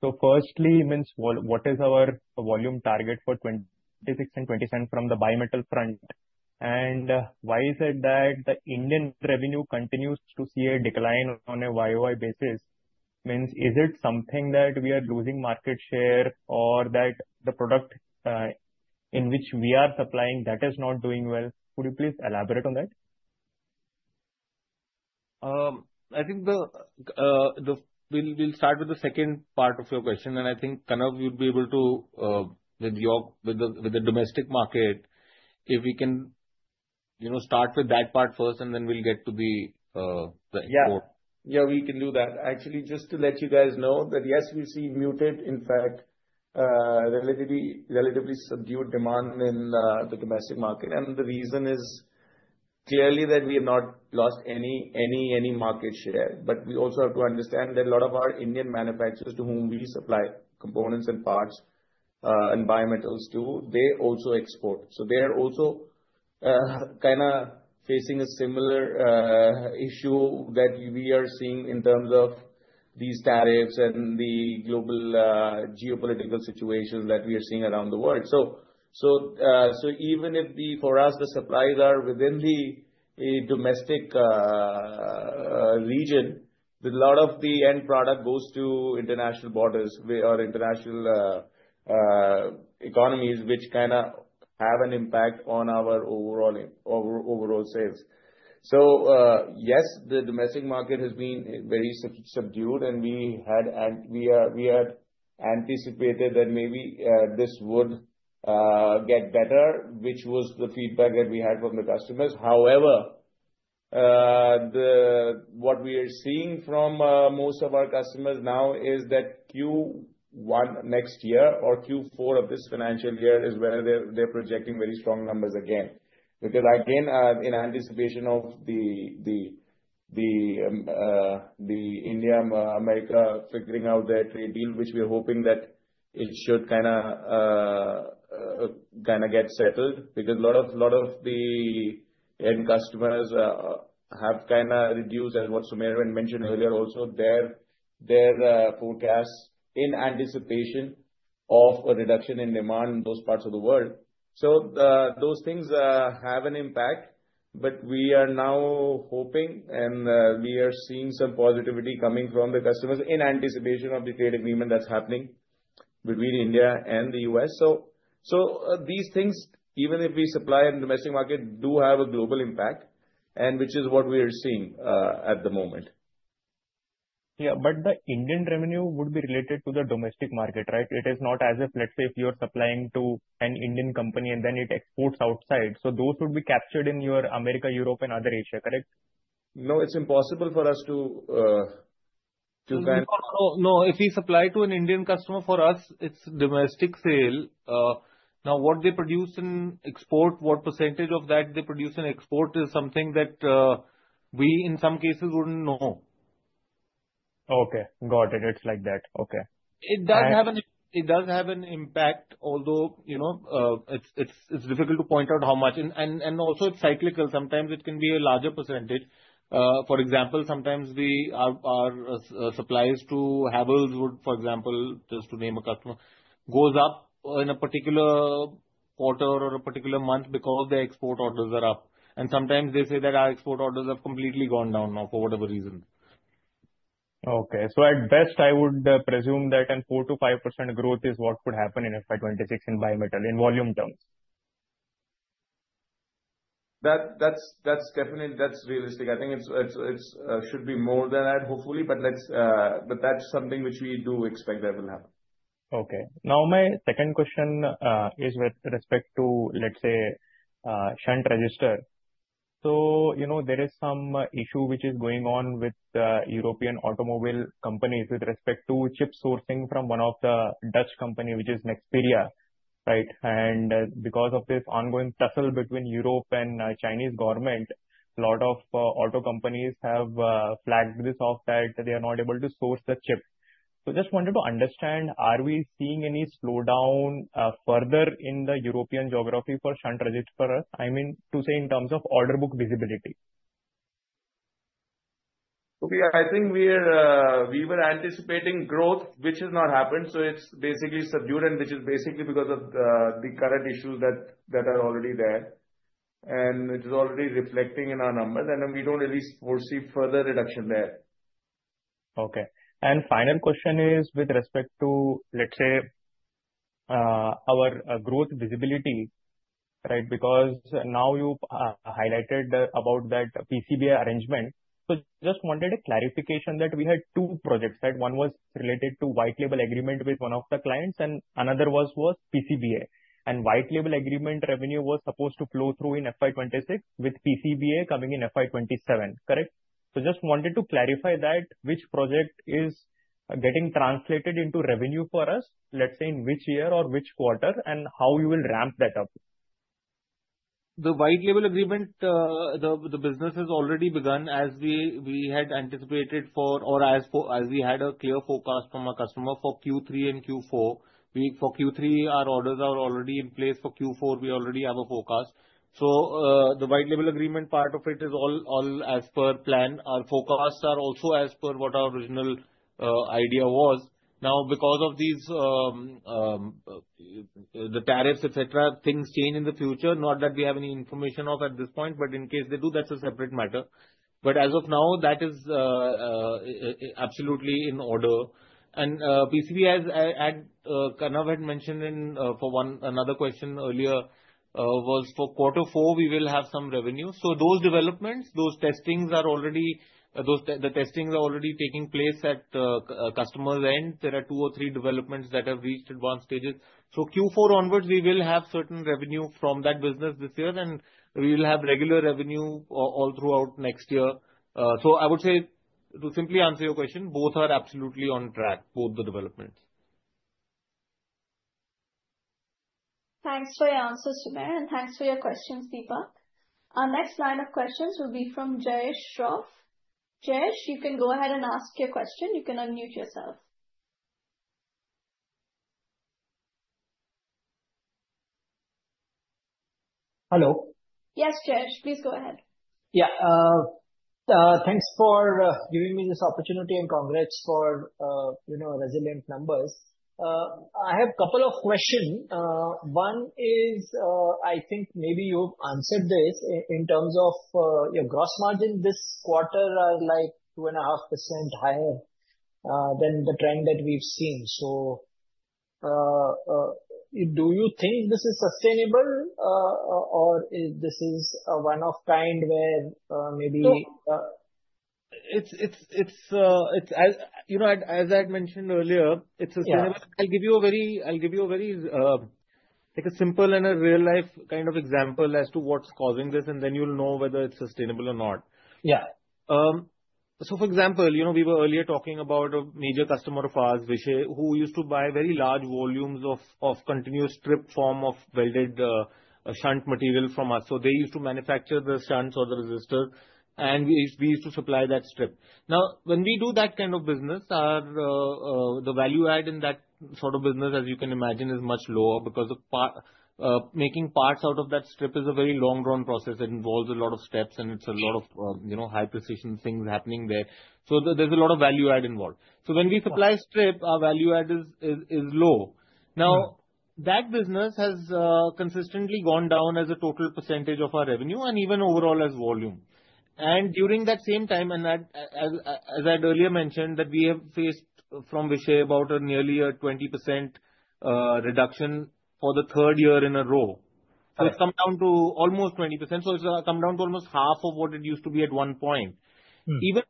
So firstly, what is our volume target for 26 and 27 from the bimetal front? Why is it that the Indian revenue continues to see a decline on a YOY basis? Means, is it something that we are losing market share or that the product in which we are supplying, that is not doing well? Could you please elaborate on that? I think we'll start with the second part of your question, and I think Kanav, you'd be able to, with the domestic market, if we can start with that part first, and then we'll get to the import. Yeah. Yeah, we can do that. Actually, just to let you guys know that, yes, we see muted, in fact, relatively subdued demand in the domestic market. And the reason is clearly that we have not lost any market share. But we also have to understand that a lot of our Indian manufacturers to whom we supply components and parts and bimetals too, they also export. So they are also kind of facing a similar issue that we are seeing in terms of these tariffs and the global geopolitical situations that we are seeing around the world. So even if for us, the supplies are within the domestic region, a lot of the end product goes to international borders or international economies, which kind of have an impact on our overall sales. So yes, the domestic market has been very subdued, and we had anticipated that maybe this would get better, which was the feedback that we had from the customers. However, what we are seeing from most of our customers now is that Q1 next year or Q4 of this financial year is where they're projecting very strong numbers again. Because again, in anticipation of the India-U.S. figuring out their trade deal, which we're hoping that it should kind of get settled because a lot of the end customers have kind of reduced, as what Sumer mentioned earlier, also their forecasts in anticipation of a reduction in demand in those parts of the world. So those things have an impact. But we are now hoping, and we are seeing some positivity coming from the customers in anticipation of the trade agreement that's happening between India and the U.S. So these things, even if we supply in the domestic market, do have a global impact, which is what we are seeing at the moment. Yeah. But the Indian revenue would be related to the domestic market, right? It is not as if, let's say, if you're supplying to an Indian company and then it exports outside. So those would be captured in your Americas, Europe, and other Asia, correct? No, it's impossible for us to kind of. No, if we supply to an Indian customer, for us, it's domestic sale. Now, what they produce in export, what percentage of that they produce in export is something that we, in some cases, wouldn't know. Okay. Got it. It's like that. Okay. It does have an impact, although it's difficult to point out how much. And also, it's cyclical. Sometimes it can be a larger percentage. For example, sometimes our supplies to Havells, for example, just to name a customer, goes up in a particular quarter or a particular month because their export orders are up. And sometimes they say that our export orders have completely gone down now for whatever reason. Okay. So at best, I would presume that a 4%-5% growth is what would happen in FY 2026 in bimetal in volume terms. That's realistic. I think it should be more than that, hopefully. But that's something which we do expect that will happen. Okay. Now, my second question is with respect to, let's say, shunt resistor. So there is some issue which is going on with European automobile companies with respect to chip sourcing from one of the Dutch companies, which is Nexperia. Right. And because of this ongoing tussle between Europe and Chinese government, a lot of auto companies have flagged this off that they are not able to source the chip. So just wanted to understand, are we seeing any slowdown further in the European geography for shunt resistor? I mean, to say in terms of order book visibility. Okay. I think we were anticipating growth, which has not happened. So it's basically subdued, and which is basically because of the current issues that are already there. And it is already reflecting in our numbers. And we don't really foresee further reduction there. Okay. And final question is with respect to, let's say, our growth visibility, right? Because now you highlighted about that PCBA arrangement. So just wanted a clarification that we had two projects. One was related to white label agreement with one of the clients, and another was PCBA. And white label agreement revenue was supposed to flow through in FY 2026 with PCBA coming in FY 2027, correct? So just wanted to clarify that which project is getting translated into revenue for us, let's say, in which year or which quarter, and how you will ramp that up. The white label agreement, the business has already begun as we had anticipated for or as we had a clear forecast from our customer for Q3 and Q4. For Q3, our orders are already in place. For Q4, we already have a forecast. So the white label agreement part of it is all as per plan. Our forecasts are also as per what our original idea was. Now, because of the tariffs, etc., things change in the future. Not that we have any information of at this point, but in case they do, that's a separate matter. But as of now, that is absolutely in order. PCB, as Kanav had mentioned for another question earlier, was for quarter four. We will have some revenue. So those developments, those testings are already taking place at customers' end. There are two or three developments that have reached advanced stages. So Q4 onwards, we will have certain revenue from that business this year, and we will have regular revenue all throughout next year. So I would say, to simply answer your question, both are absolutely on track, both the developments. Thanks for your answers, Sumer, and thanks for your questions, Deepak. Our next line of questions will be from Jayesh Rao. Jayesh, you can go ahead and ask your question. You can unmute yourself. Hello. Yes, Jayesh, please go ahead. Yeah. Thanks for giving me this opportunity and congrats for resilient numbers. I have a couple of questions. One is, I think maybe you've answered this in terms of your gross margin. This quarter are like 2.5% higher than the trend that we've seen. So do you think this is sustainable, or this is one of kind where maybe? It's as I had mentioned earlier, it's sustainable. I'll give you a very simple and a real-life kind of example as to what's causing this, and then you'll know whether it's sustainable or not. Yeah. So for example, we were earlier talking about a major customer of ours, Vishay, who used to buy very large volumes of continuous strip form of welded shunt material from us. So they used to manufacture the shunts or the resistors, and we used to supply that strip. Now, when we do that kind of business, the value add in that sort of business, as you can imagine, is much lower because making parts out of that strip is a very long-drawn process. It involves a lot of steps, and it's a lot of high-precision things happening there. So there's a lot of value add involved. So when we supply strip, our value add is low. Now, that business has consistently gone down as a total percentage of our revenue and even overall as volume. And during that same time, and as I had earlier mentioned, that we have faced from Vishay about a nearly 20% reduction for the third year in a row. So it's come down to almost 20%. So it's come down to almost half of what it used to be at one point. Even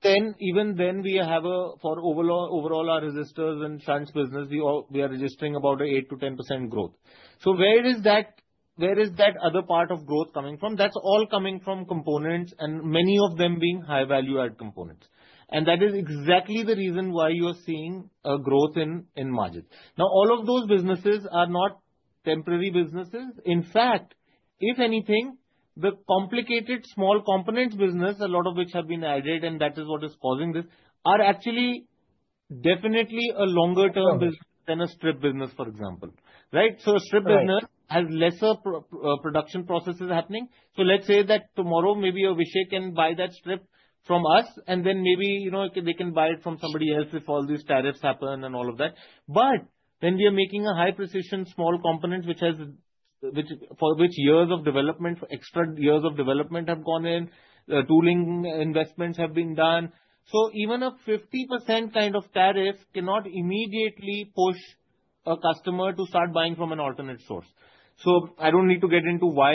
then, we have for overall our resistors and shunts business, we are registering about an 8%-10% growth. So where is that other part of growth coming from? That's all coming from components and many of them being high-value add components. And that is exactly the reason why you are seeing a growth in margins. Now, all of those businesses are not temporary businesses. In fact, if anything, the complicated small components business, a lot of which have been added, and that is what is causing this, are actually definitely a longer-term business than a strip business, for example. Right. So a strip business has lesser production processes happening. So let's say that tomorrow, maybe a Vishay can buy that strip from us, and then maybe they can buy it from somebody else if all these tariffs happen and all of that. But when we are making a high-precision small components, which has for which years of development, extra years of development have gone in, tooling investments have been done. So even a 50% kind of tariff cannot immediately push a customer to start buying from an alternate source. So I don't need to get into why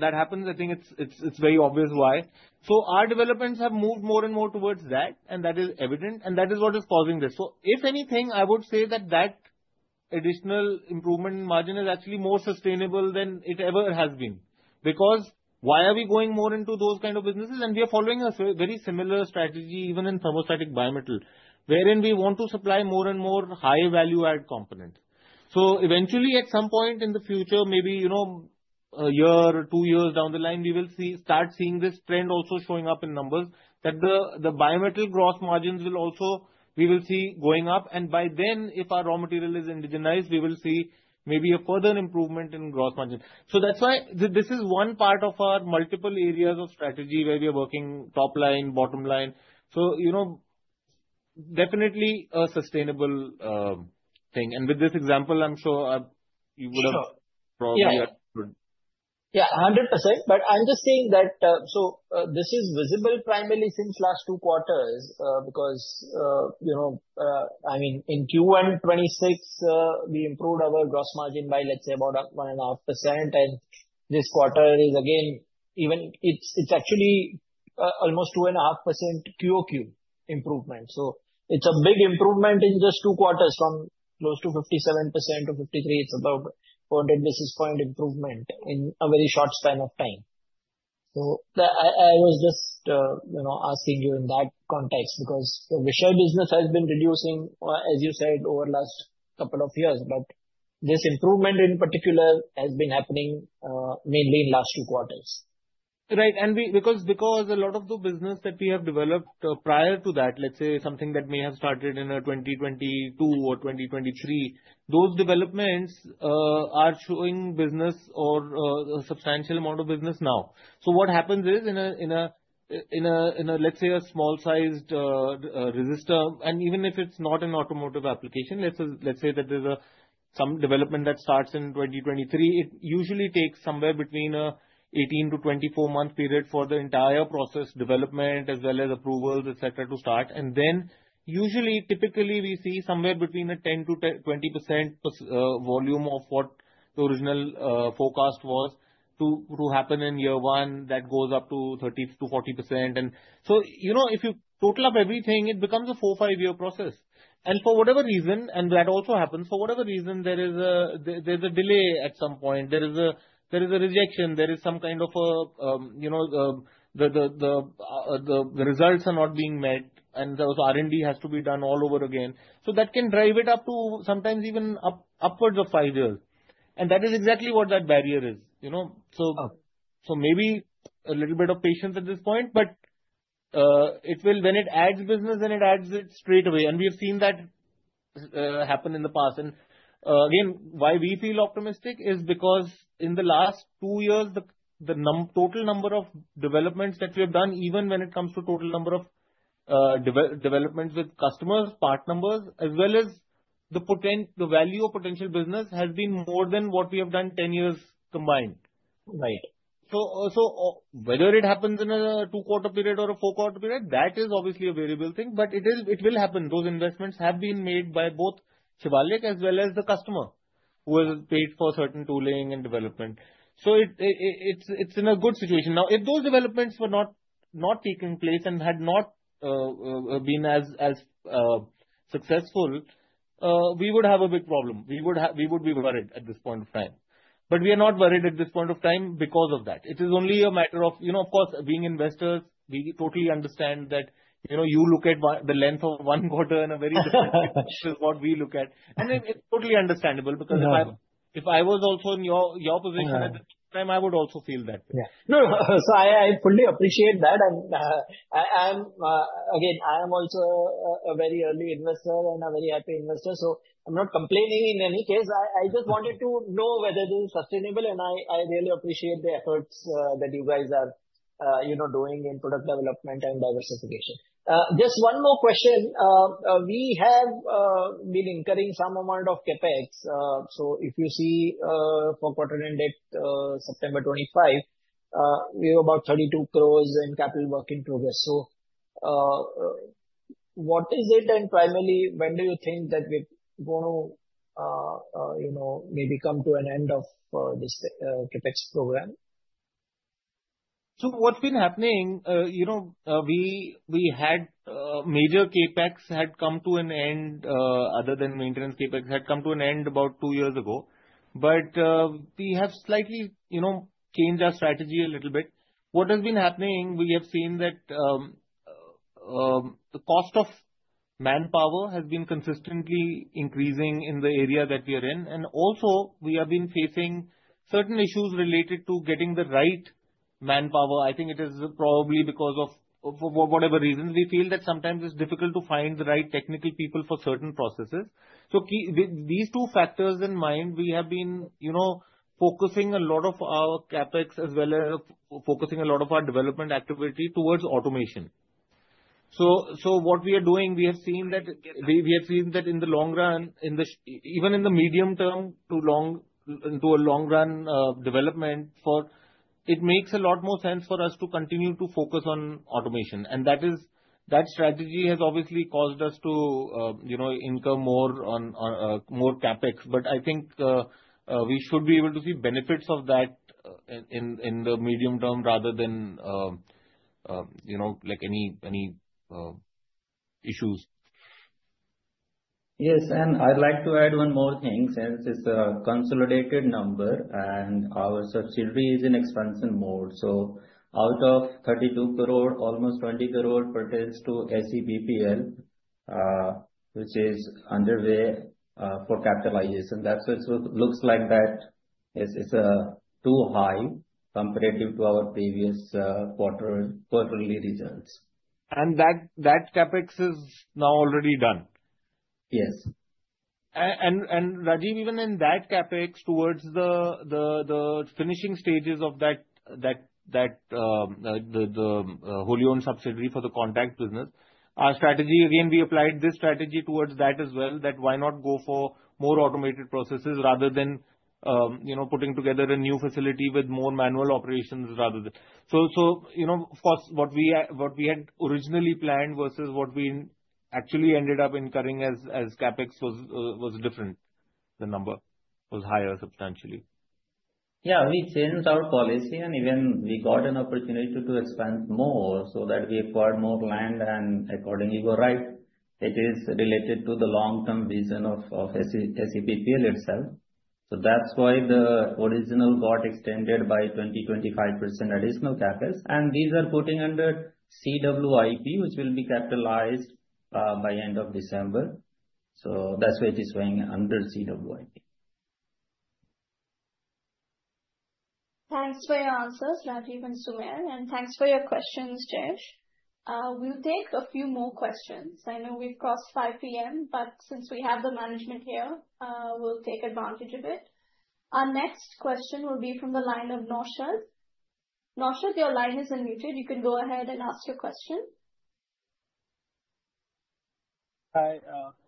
that happens. I think it's very obvious why. Our developments have moved more and more towards that, and that is evident, and that is what is causing this. If anything, I would say that that additional improvement in margin is actually more sustainable than it ever has been. Because why are we going more into those kind of businesses? And we are following a very similar strategy even in thermostatic bimetal, wherein we want to supply more and more high-value add components. Eventually, at some point in the future, maybe a year or two years down the line, we will start seeing this trend also showing up in numbers that the bimetal gross margins will also we will see going up. And by then, if our raw material is indigenized, we will see maybe a further improvement in gross margin. So that's why this is one part of our multiple areas of strategy where we are working top line, bottom line. So definitely a sustainable thing. And with this example, I'm sure you would have probably understood. Yeah, 100%. But I'm just saying that so this is visible primarily since last two quarters because I mean, in Q1 2026, we improved our gross margin by, let's say, about 1.5%. And this quarter is again, it's actually almost 2.5% QOQ improvement. So it's a big improvement in just two quarters from close to 57% to 53%. It's about 400 basis points improvement in a very short span of time. So I was just asking you in that context because the Vishay business has been reducing, as you said, over the last couple of years. But this improvement in particular has been happening mainly in the last two quarters. Right, and because a lot of the business that we have developed prior to that, let's say something that may have started in 2022 or 2023, those developments are showing business or a substantial amount of business now, so what happens is in a, let's say, a small-sized resistor, and even if it's not an automotive application, let's say that there's some development that starts in 2023, it usually takes somewhere between an 18-24-month period for the entire process development as well as approvals, etc., to start, and then usually, typically, we see somewhere between a 10%-20% volume of what the original forecast was to happen in year one. That goes up to 30%-40%, and so if you total up everything, it becomes a four, five-year process. And for whatever reason, and that also happens, for whatever reason, there is a delay at some point. There is a rejection. There is some kind of the results are not being met, and the R&D has to be done all over again. So that can drive it up to sometimes even upwards of five years. And that is exactly what that barrier is. So maybe a little bit of patience at this point, but when it adds business, then it adds it straight away. And we have seen that happen in the past. And again, why we feel optimistic is because in the last two years, the total number of developments that we have done, even when it comes to total number of developments with customers, part numbers, as well as the value of potential business has been more than what we have done 10 years combined. So whether it happens in a two-quarter period or a four-quarter period, that is obviously a variable thing, but it will happen. Those investments have been made by both Shivalik as well as the customer who has paid for certain tooling and development. So it's in a good situation. Now, if those developments were not taking place and had not been as successful, we would have a big problem. We would be worried at this point of time. But we are not worried at this point of time because of that. It is only a matter of, of course, being investors, we totally understand that you look at the length of one quarter in a very different way, which is what we look at. And it's totally understandable because if I was also in your position at the time, I would also feel that way. Yeah. No. So I fully appreciate that. And again, I am also a very early investor and a very happy investor. So I'm not complaining in any case. I just wanted to know whether this is sustainable, and I really appreciate the efforts that you guys are doing in product development and diversification. Just one more question. We have been incurring some amount of CapEx. So if you see for quarter end date September '25, we have about 32 crores in capital work in progress. So what is it, and primarily, when do you think that we're going to maybe come to an end of this CapEx program? So, what's been happening? We had major CapEx had come to an end other than maintenance CapEx had come to an end about two years ago, but we have slightly changed our strategy a little bit. What has been happening, we have seen that the cost of manpower has been consistently increasing in the area that we are in and also, we have been facing certain issues related to getting the right manpower. I think it is probably because of whatever reasons we feel that sometimes it's difficult to find the right technical people for certain processes, so with these two factors in mind, we have been focusing a lot of our CapEx as well as focusing a lot of our development activity towards automation. What we are doing, we have seen that in the long run, even in the medium term to a long run development, it makes a lot more sense for us to continue to focus on automation. That strategy has obviously caused us to incur more CapEx. I think we should be able to see benefits of that in the medium term rather than any issues. Yes, and I'd like to add one more thing. Since it's a consolidated number and our subsidiary is in expansion mode, so out of 32 crore, almost 20 crore pertains to SEPPL, which is underway for capitalization. That's what looks like that it's too high comparative to our previous quarterly results. That CapEx is now already done. Yes. Rajeev, even in that CapEx towards the finishing stages of the wholly owned subsidiary for the contact business, our strategy, again, we applied this strategy towards that as well, that why not go for more automated processes rather than putting together a new facility with more manual operations rather than. Of course, what we had originally planned versus what we actually ended up incurring as CapEx was different, the number was higher substantially. Yeah. We changed our policy, and even we got an opportunity to expand more so that we acquired more land and accordingly go right. It is related to the long-term vision of SEBPL itself. So that's why the original got extended by 20%-25% additional CapEx. And these are putting under CWIP, which will be capitalized by end of December. So that's why it is going under CWIP. Thanks for your answers, Rajeev and Sumer. And thanks for your questions, Jayesh. We'll take a few more questions. I know we've crossed 5:00 P.M., but since we have the management here, we'll take advantage of it. Our next question will be from the line of Naushad. Naushad, your line is unmuted. You can go ahead and ask your question. Hi.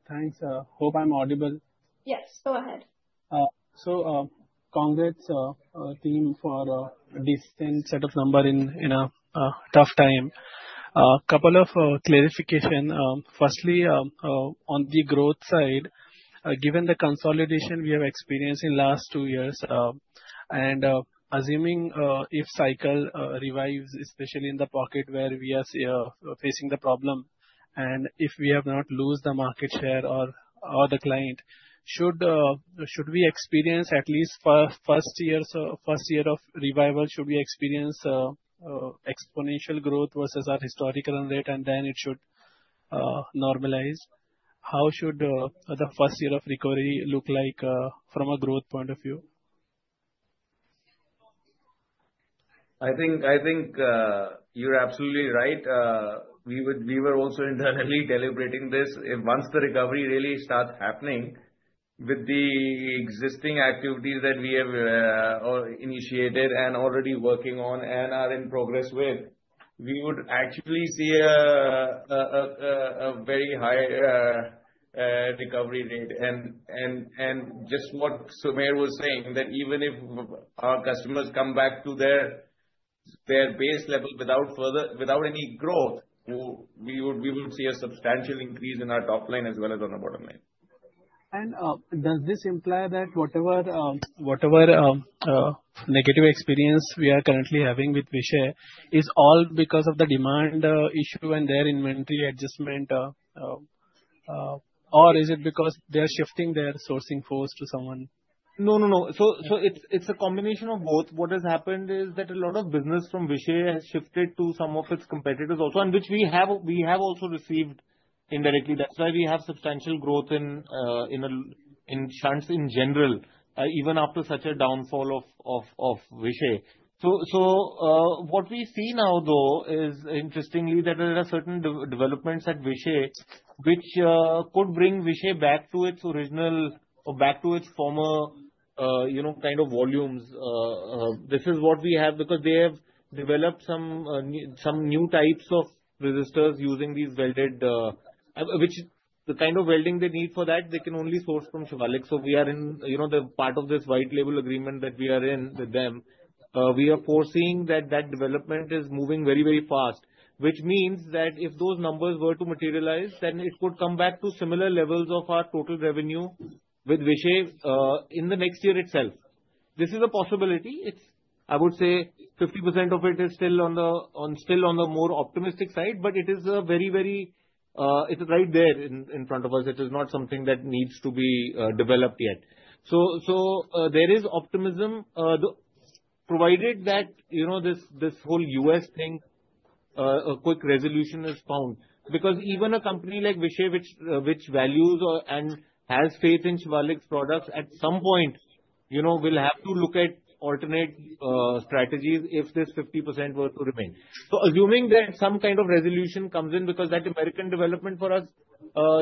Thanks. Hope I'm audible. Yes, go ahead. So congrats, team, for a decent set of numbers in a tough time. A couple of clarifications. Firstly, on the growth side, given the consolidation we have experienced in the last two years, and assuming if cycle revives, especially in the pocket where we are facing the problem, and if we have not lost the market share or the client, should we experience at least first year of revival, should we experience exponential growth versus our historical rate, and then it should normalize? How should the first year of recovery look like from a growth point of view? I think you're absolutely right. We were also internally calibrating this. Once the recovery really starts happening with the existing activities that we have initiated and already working on and are in progress with, we would actually see a very high recovery rate. And just what Sumer was saying, that even if our customers come back to their base level without any growth, we would see a substantial increase in our top line as well as on the bottom line. Does this imply that whatever negative experience we are currently having with Vishay is all because of the demand issue and their inventory adjustment, or is it because they are shifting their sourcing force to someone? No, no, no. So it's a combination of both. What has happened is that a lot of business from Vishay has shifted to some of its competitors also, which we have also received indirectly. That's why we have substantial growth in shunts in general, even after such a downfall of Vishay. So what we see now, though, is interestingly that there are certain developments at Vishay, which could bring Vishay back to its original or back to its former kind of volumes. This is what we have because they have developed some new types of resistors using these welded, which the kind of welding they need for that, they can only source from Shivalik. So we are in the part of this white label agreement that we are in with them. We are foreseeing that that development is moving very, very fast, which means that if those numbers were to materialize, then it would come back to similar levels of our total revenue with Vishay in the next year itself. This is a possibility. I would say 50% of it is still on the more optimistic side, but it is a very, very, it's right there in front of us. It is not something that needs to be developed yet. So there is optimism provided that this whole US thing, a quick resolution is found. Because even a company like Vishay, which values and has faith in Shivalik's products, at some point, we'll have to look at alternate strategies if this 50% were to remain. Assuming that some kind of resolution comes in because that American development for us,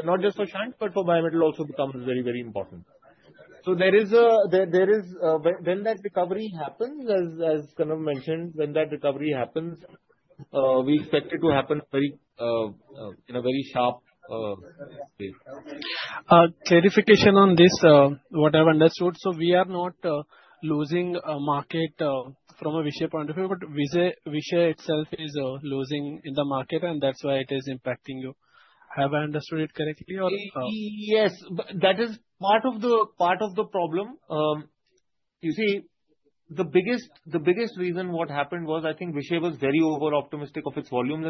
not just for shunt, but for bimetal also, becomes very, very important. When that recovery happens, as Kanav mentioned, we expect it to happen in a very sharp way. Clarification on this: what I've understood. So we are not losing a market from a Vishay point of view, but Vishay itself is losing in the market, and that's why it is impacting you. Have I understood it correctly? Yes. That is part of the problem. You see, the biggest reason what happened was I think Vishay was very over-optimistic of its volumes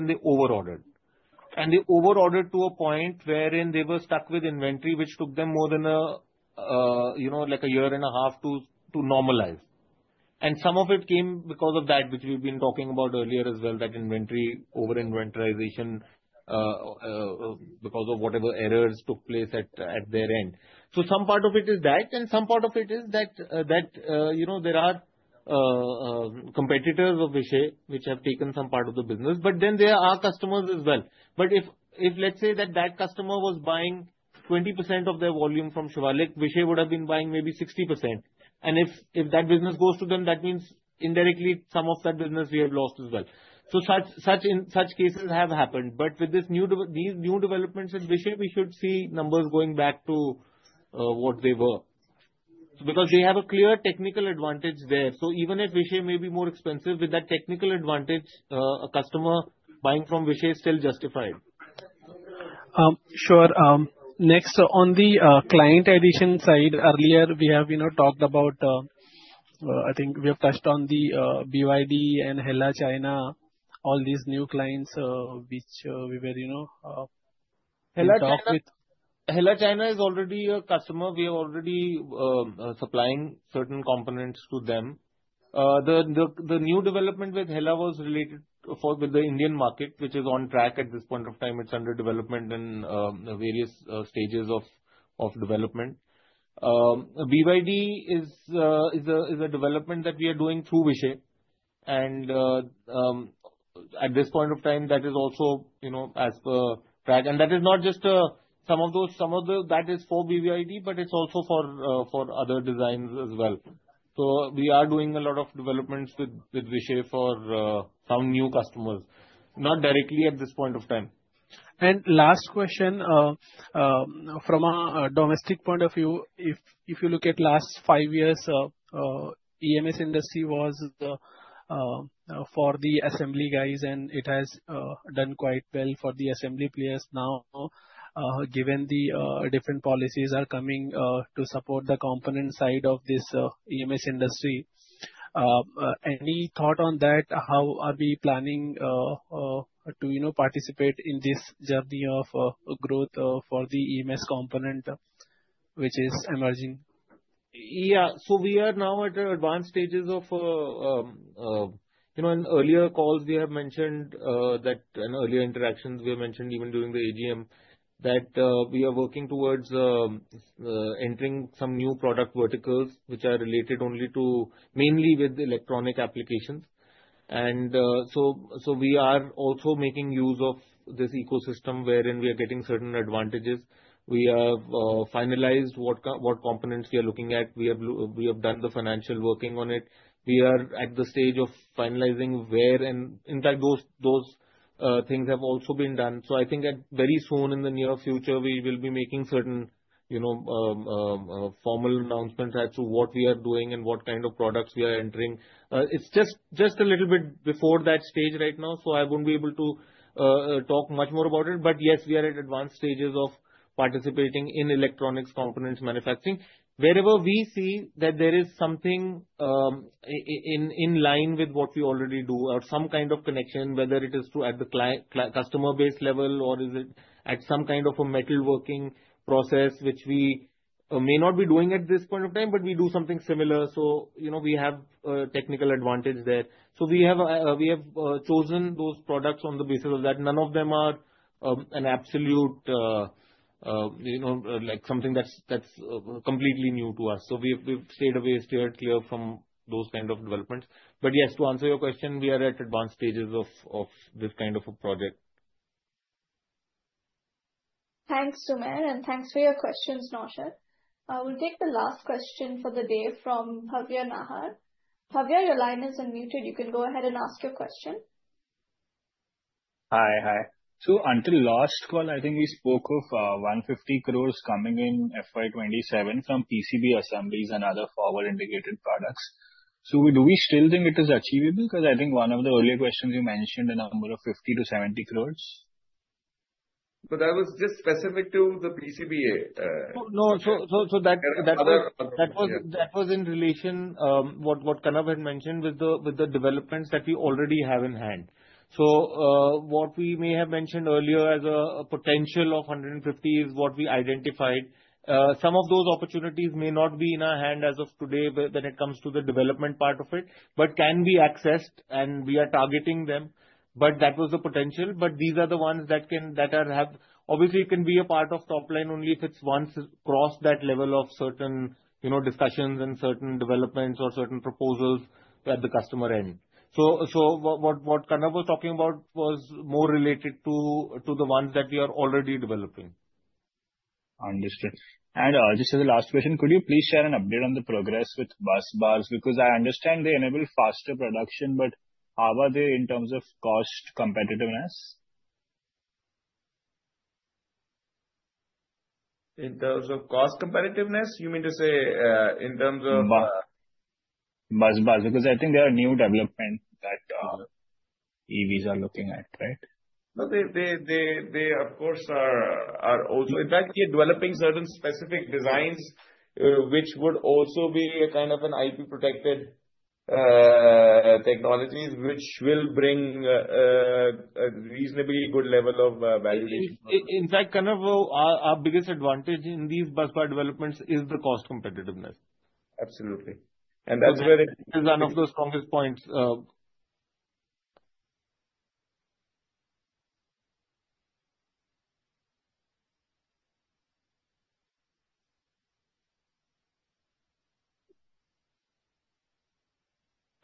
and they over-ordered. And they over-ordered to a point wherein they were stuck with inventory, which took them more than a year and a half to normalize. And some of it came because of that, which we've been talking about earlier as well, that inventory over-inventorization because of whatever errors took place at their end. So some part of it is that, and some part of it is that there are competitors of Vishay, which have taken some part of the business, but then there are customers as well. But if, let's say, that that customer was buying 20% of their volume from Shivalik, Vishay would have been buying maybe 60%. And if that business goes to them, that means indirectly some of that business we have lost as well. So such cases have happened. But with these new developments in Vishay, we should see numbers going back to what they were. Because they have a clear technical advantage there. So even if Vishay may be more expensive, with that technical advantage, a customer buying from Vishay is still justified. Sure. Next, on the client addition side, earlier we have talked about, I think we have touched on the BYD and HELLA China, all these new clients which we were talking with. HELLA China is already a customer. We are already supplying certain components to them. The new development with HELLA was related with the Indian market, which is on track at this point of time. It's under development in various stages of development. BYD is a development that we are doing through Vishay. And at this point of time, that is also on track. And that is not just some of those, some of that is for BYD, but it's also for other designs as well. So we are doing a lot of developments with Vishay for some new customers, not directly at this point of time. Last question from a domestic point of view, if you look at last five years, EMS industry was for the assembly guys, and it has done quite well for the assembly players now, given the different policies are coming to support the component side of this EMS industry. Any thought on that? How are we planning to participate in this journey of growth for the EMS component, which is emerging? Yeah. So we are now at advanced stages. In earlier calls, we have mentioned that in earlier interactions, we have mentioned even during the AGM that we are working towards entering some new product verticals, which are related only to mainly with electronic applications. And so we are also making use of this ecosystem wherein we are getting certain advantages. We have finalized what components we are looking at. We have done the financial working on it. We are at the stage of finalizing where, and in fact, those things have also been done. So I think that very soon in the near future, we will be making certain formal announcements as to what we are doing and what kind of products we are entering. It's just a little bit before that stage right now, so I won't be able to talk much more about it. But yes, we are at advanced stages of participating in electronics components manufacturing. Wherever we see that there is something in line with what we already do or some kind of connection, whether it is at the customer base level or is it at some kind of a metalworking process, which we may not be doing at this point of time, but we do something similar. So we have a technical advantage there. So we have chosen those products on the basis of that. None of them are an absolute something that's completely new to us. So we've stayed away, steered clear from those kind of developments. But yes, to answer your question, we are at advanced stages of this kind of a project. Thanks, Sumer, and thanks for your questions, Naushad. We'll take the last question for the day from Bhavya Nahar. Bhavya, your line is unmuted. You can go ahead and ask your question. Hi, hi. So until last call, I think we spoke of 150 crores coming in FY 2027 from PCB assemblies and other forward-integrated products. So do we still think it is achievable? Because I think one of the earlier questions you mentioned a number of 50-70 crores. But that was just specific to the PCBA. No, no. So that was in relation to what Kanav had mentioned with the developments that we already have in hand. So what we may have mentioned earlier as a potential of 150 is what we identified. Some of those opportunities may not be in our hand as of today when it comes to the development part of it, but can be accessed, and we are targeting them. But that was the potential. But these are the ones that obviously can be a part of top line only if it's once crossed that level of certain discussions and certain developments or certain proposals at the customer end. So what Kanav was talking about was more related to the ones that we are already developing. Understood. And just as a last question, could you please share an update on the progress with busbars? Because I understand they enable faster production, but how are they in terms of cost competitiveness? In terms of cost competitiveness? You mean to say in terms of. Busbars. Because I think there are new developments that EVs are looking at, right? No, they, of course, are also. In fact, we are developing certain specific designs, which would also be a kind of an IP-protected technology, which will bring a reasonably good level of valuation. In fact, Kanav, our biggest advantage in these busbar developments is the cost competitiveness. Absolutely. And that's where it is. It is one of the strongest points.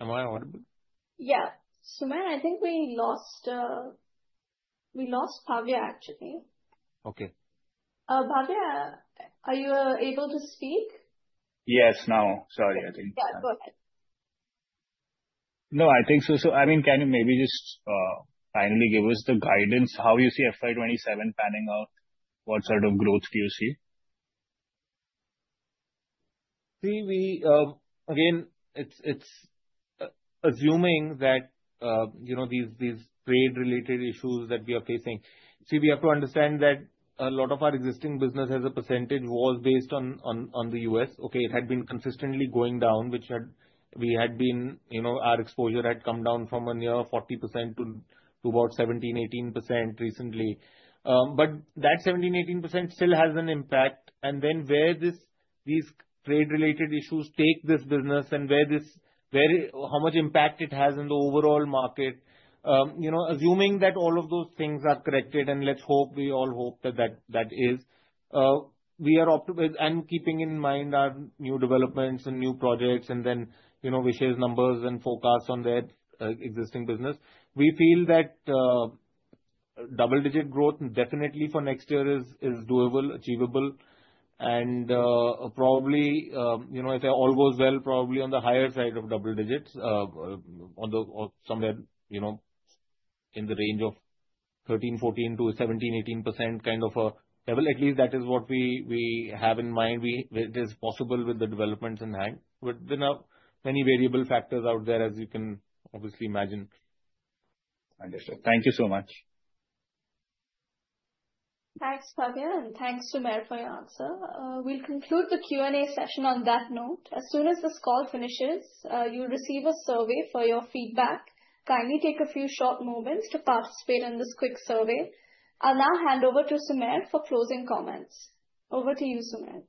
Am I audible? Yeah. Sumer, I think we lost Bhavya, actually. Okay. Bhavya, are you able to speak? Yes, now. Sorry, I think. Yeah, go ahead. No, I think so. So I mean, can you maybe just finally give us the guidance? How do you see FY 2027 panning out? What sort of growth do you see? See, again, it's assuming that these trade-related issues that we are facing. See, we have to understand that a lot of our existing business as a percentage was based on the U.S. Okay, it had been consistently going down, which we had been our exposure had come down from a near 40% to about 17%-18% recently. But that 17%-18% still has an impact. And then where these trade-related issues take this business and how much impact it has in the overall market, assuming that all of those things are corrected, and let's hope we all hope that that is, and keeping in mind our new developments and new projects and then Vishay's numbers and forecasts on their existing business, we feel that double-digit growth definitely for next year is doable, achievable. Probably, if it all goes well, probably on the higher side of double digits, somewhere in the range of 13%-14% to 17%-18% kind of a level. At least that is what we have in mind. It is possible with the developments in hand. But there are many variable factors out there, as you can obviously imagine. Understood. Thank you so much. Thanks, Bhavya, and thanks, Sumer, for your answer. We'll conclude the Q&A session on that note. As soon as this call finishes, you'll receive a survey for your feedback. Kindly take a few short moments to participate in this quick survey. I'll now hand over to Sumer for closing comments. Over to you, Sumer.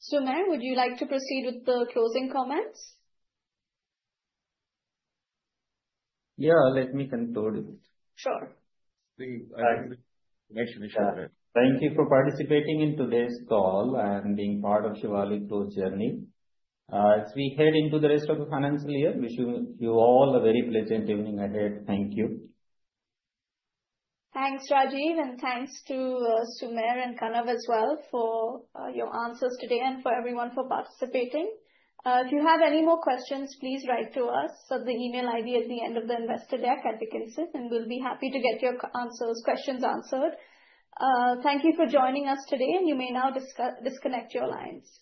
Sumer, would you like to proceed with the closing comments? Yeah, let me conclude. Sure. Thank you for participating in today's call and being part of Shivalik's growth journey. As we head into the rest of the financial year, wishing you all a very pleasant evening ahead. Thank you. Thanks, Rajeev, and thanks to Sumer and Kanav as well for your answers today and for everyone for participating. If you have any more questions, please write to us at the email ID at the end of the Investor Deck at the conference, and we'll be happy to get your questions answered. Thank you for joining us today, and you may now disconnect your lines.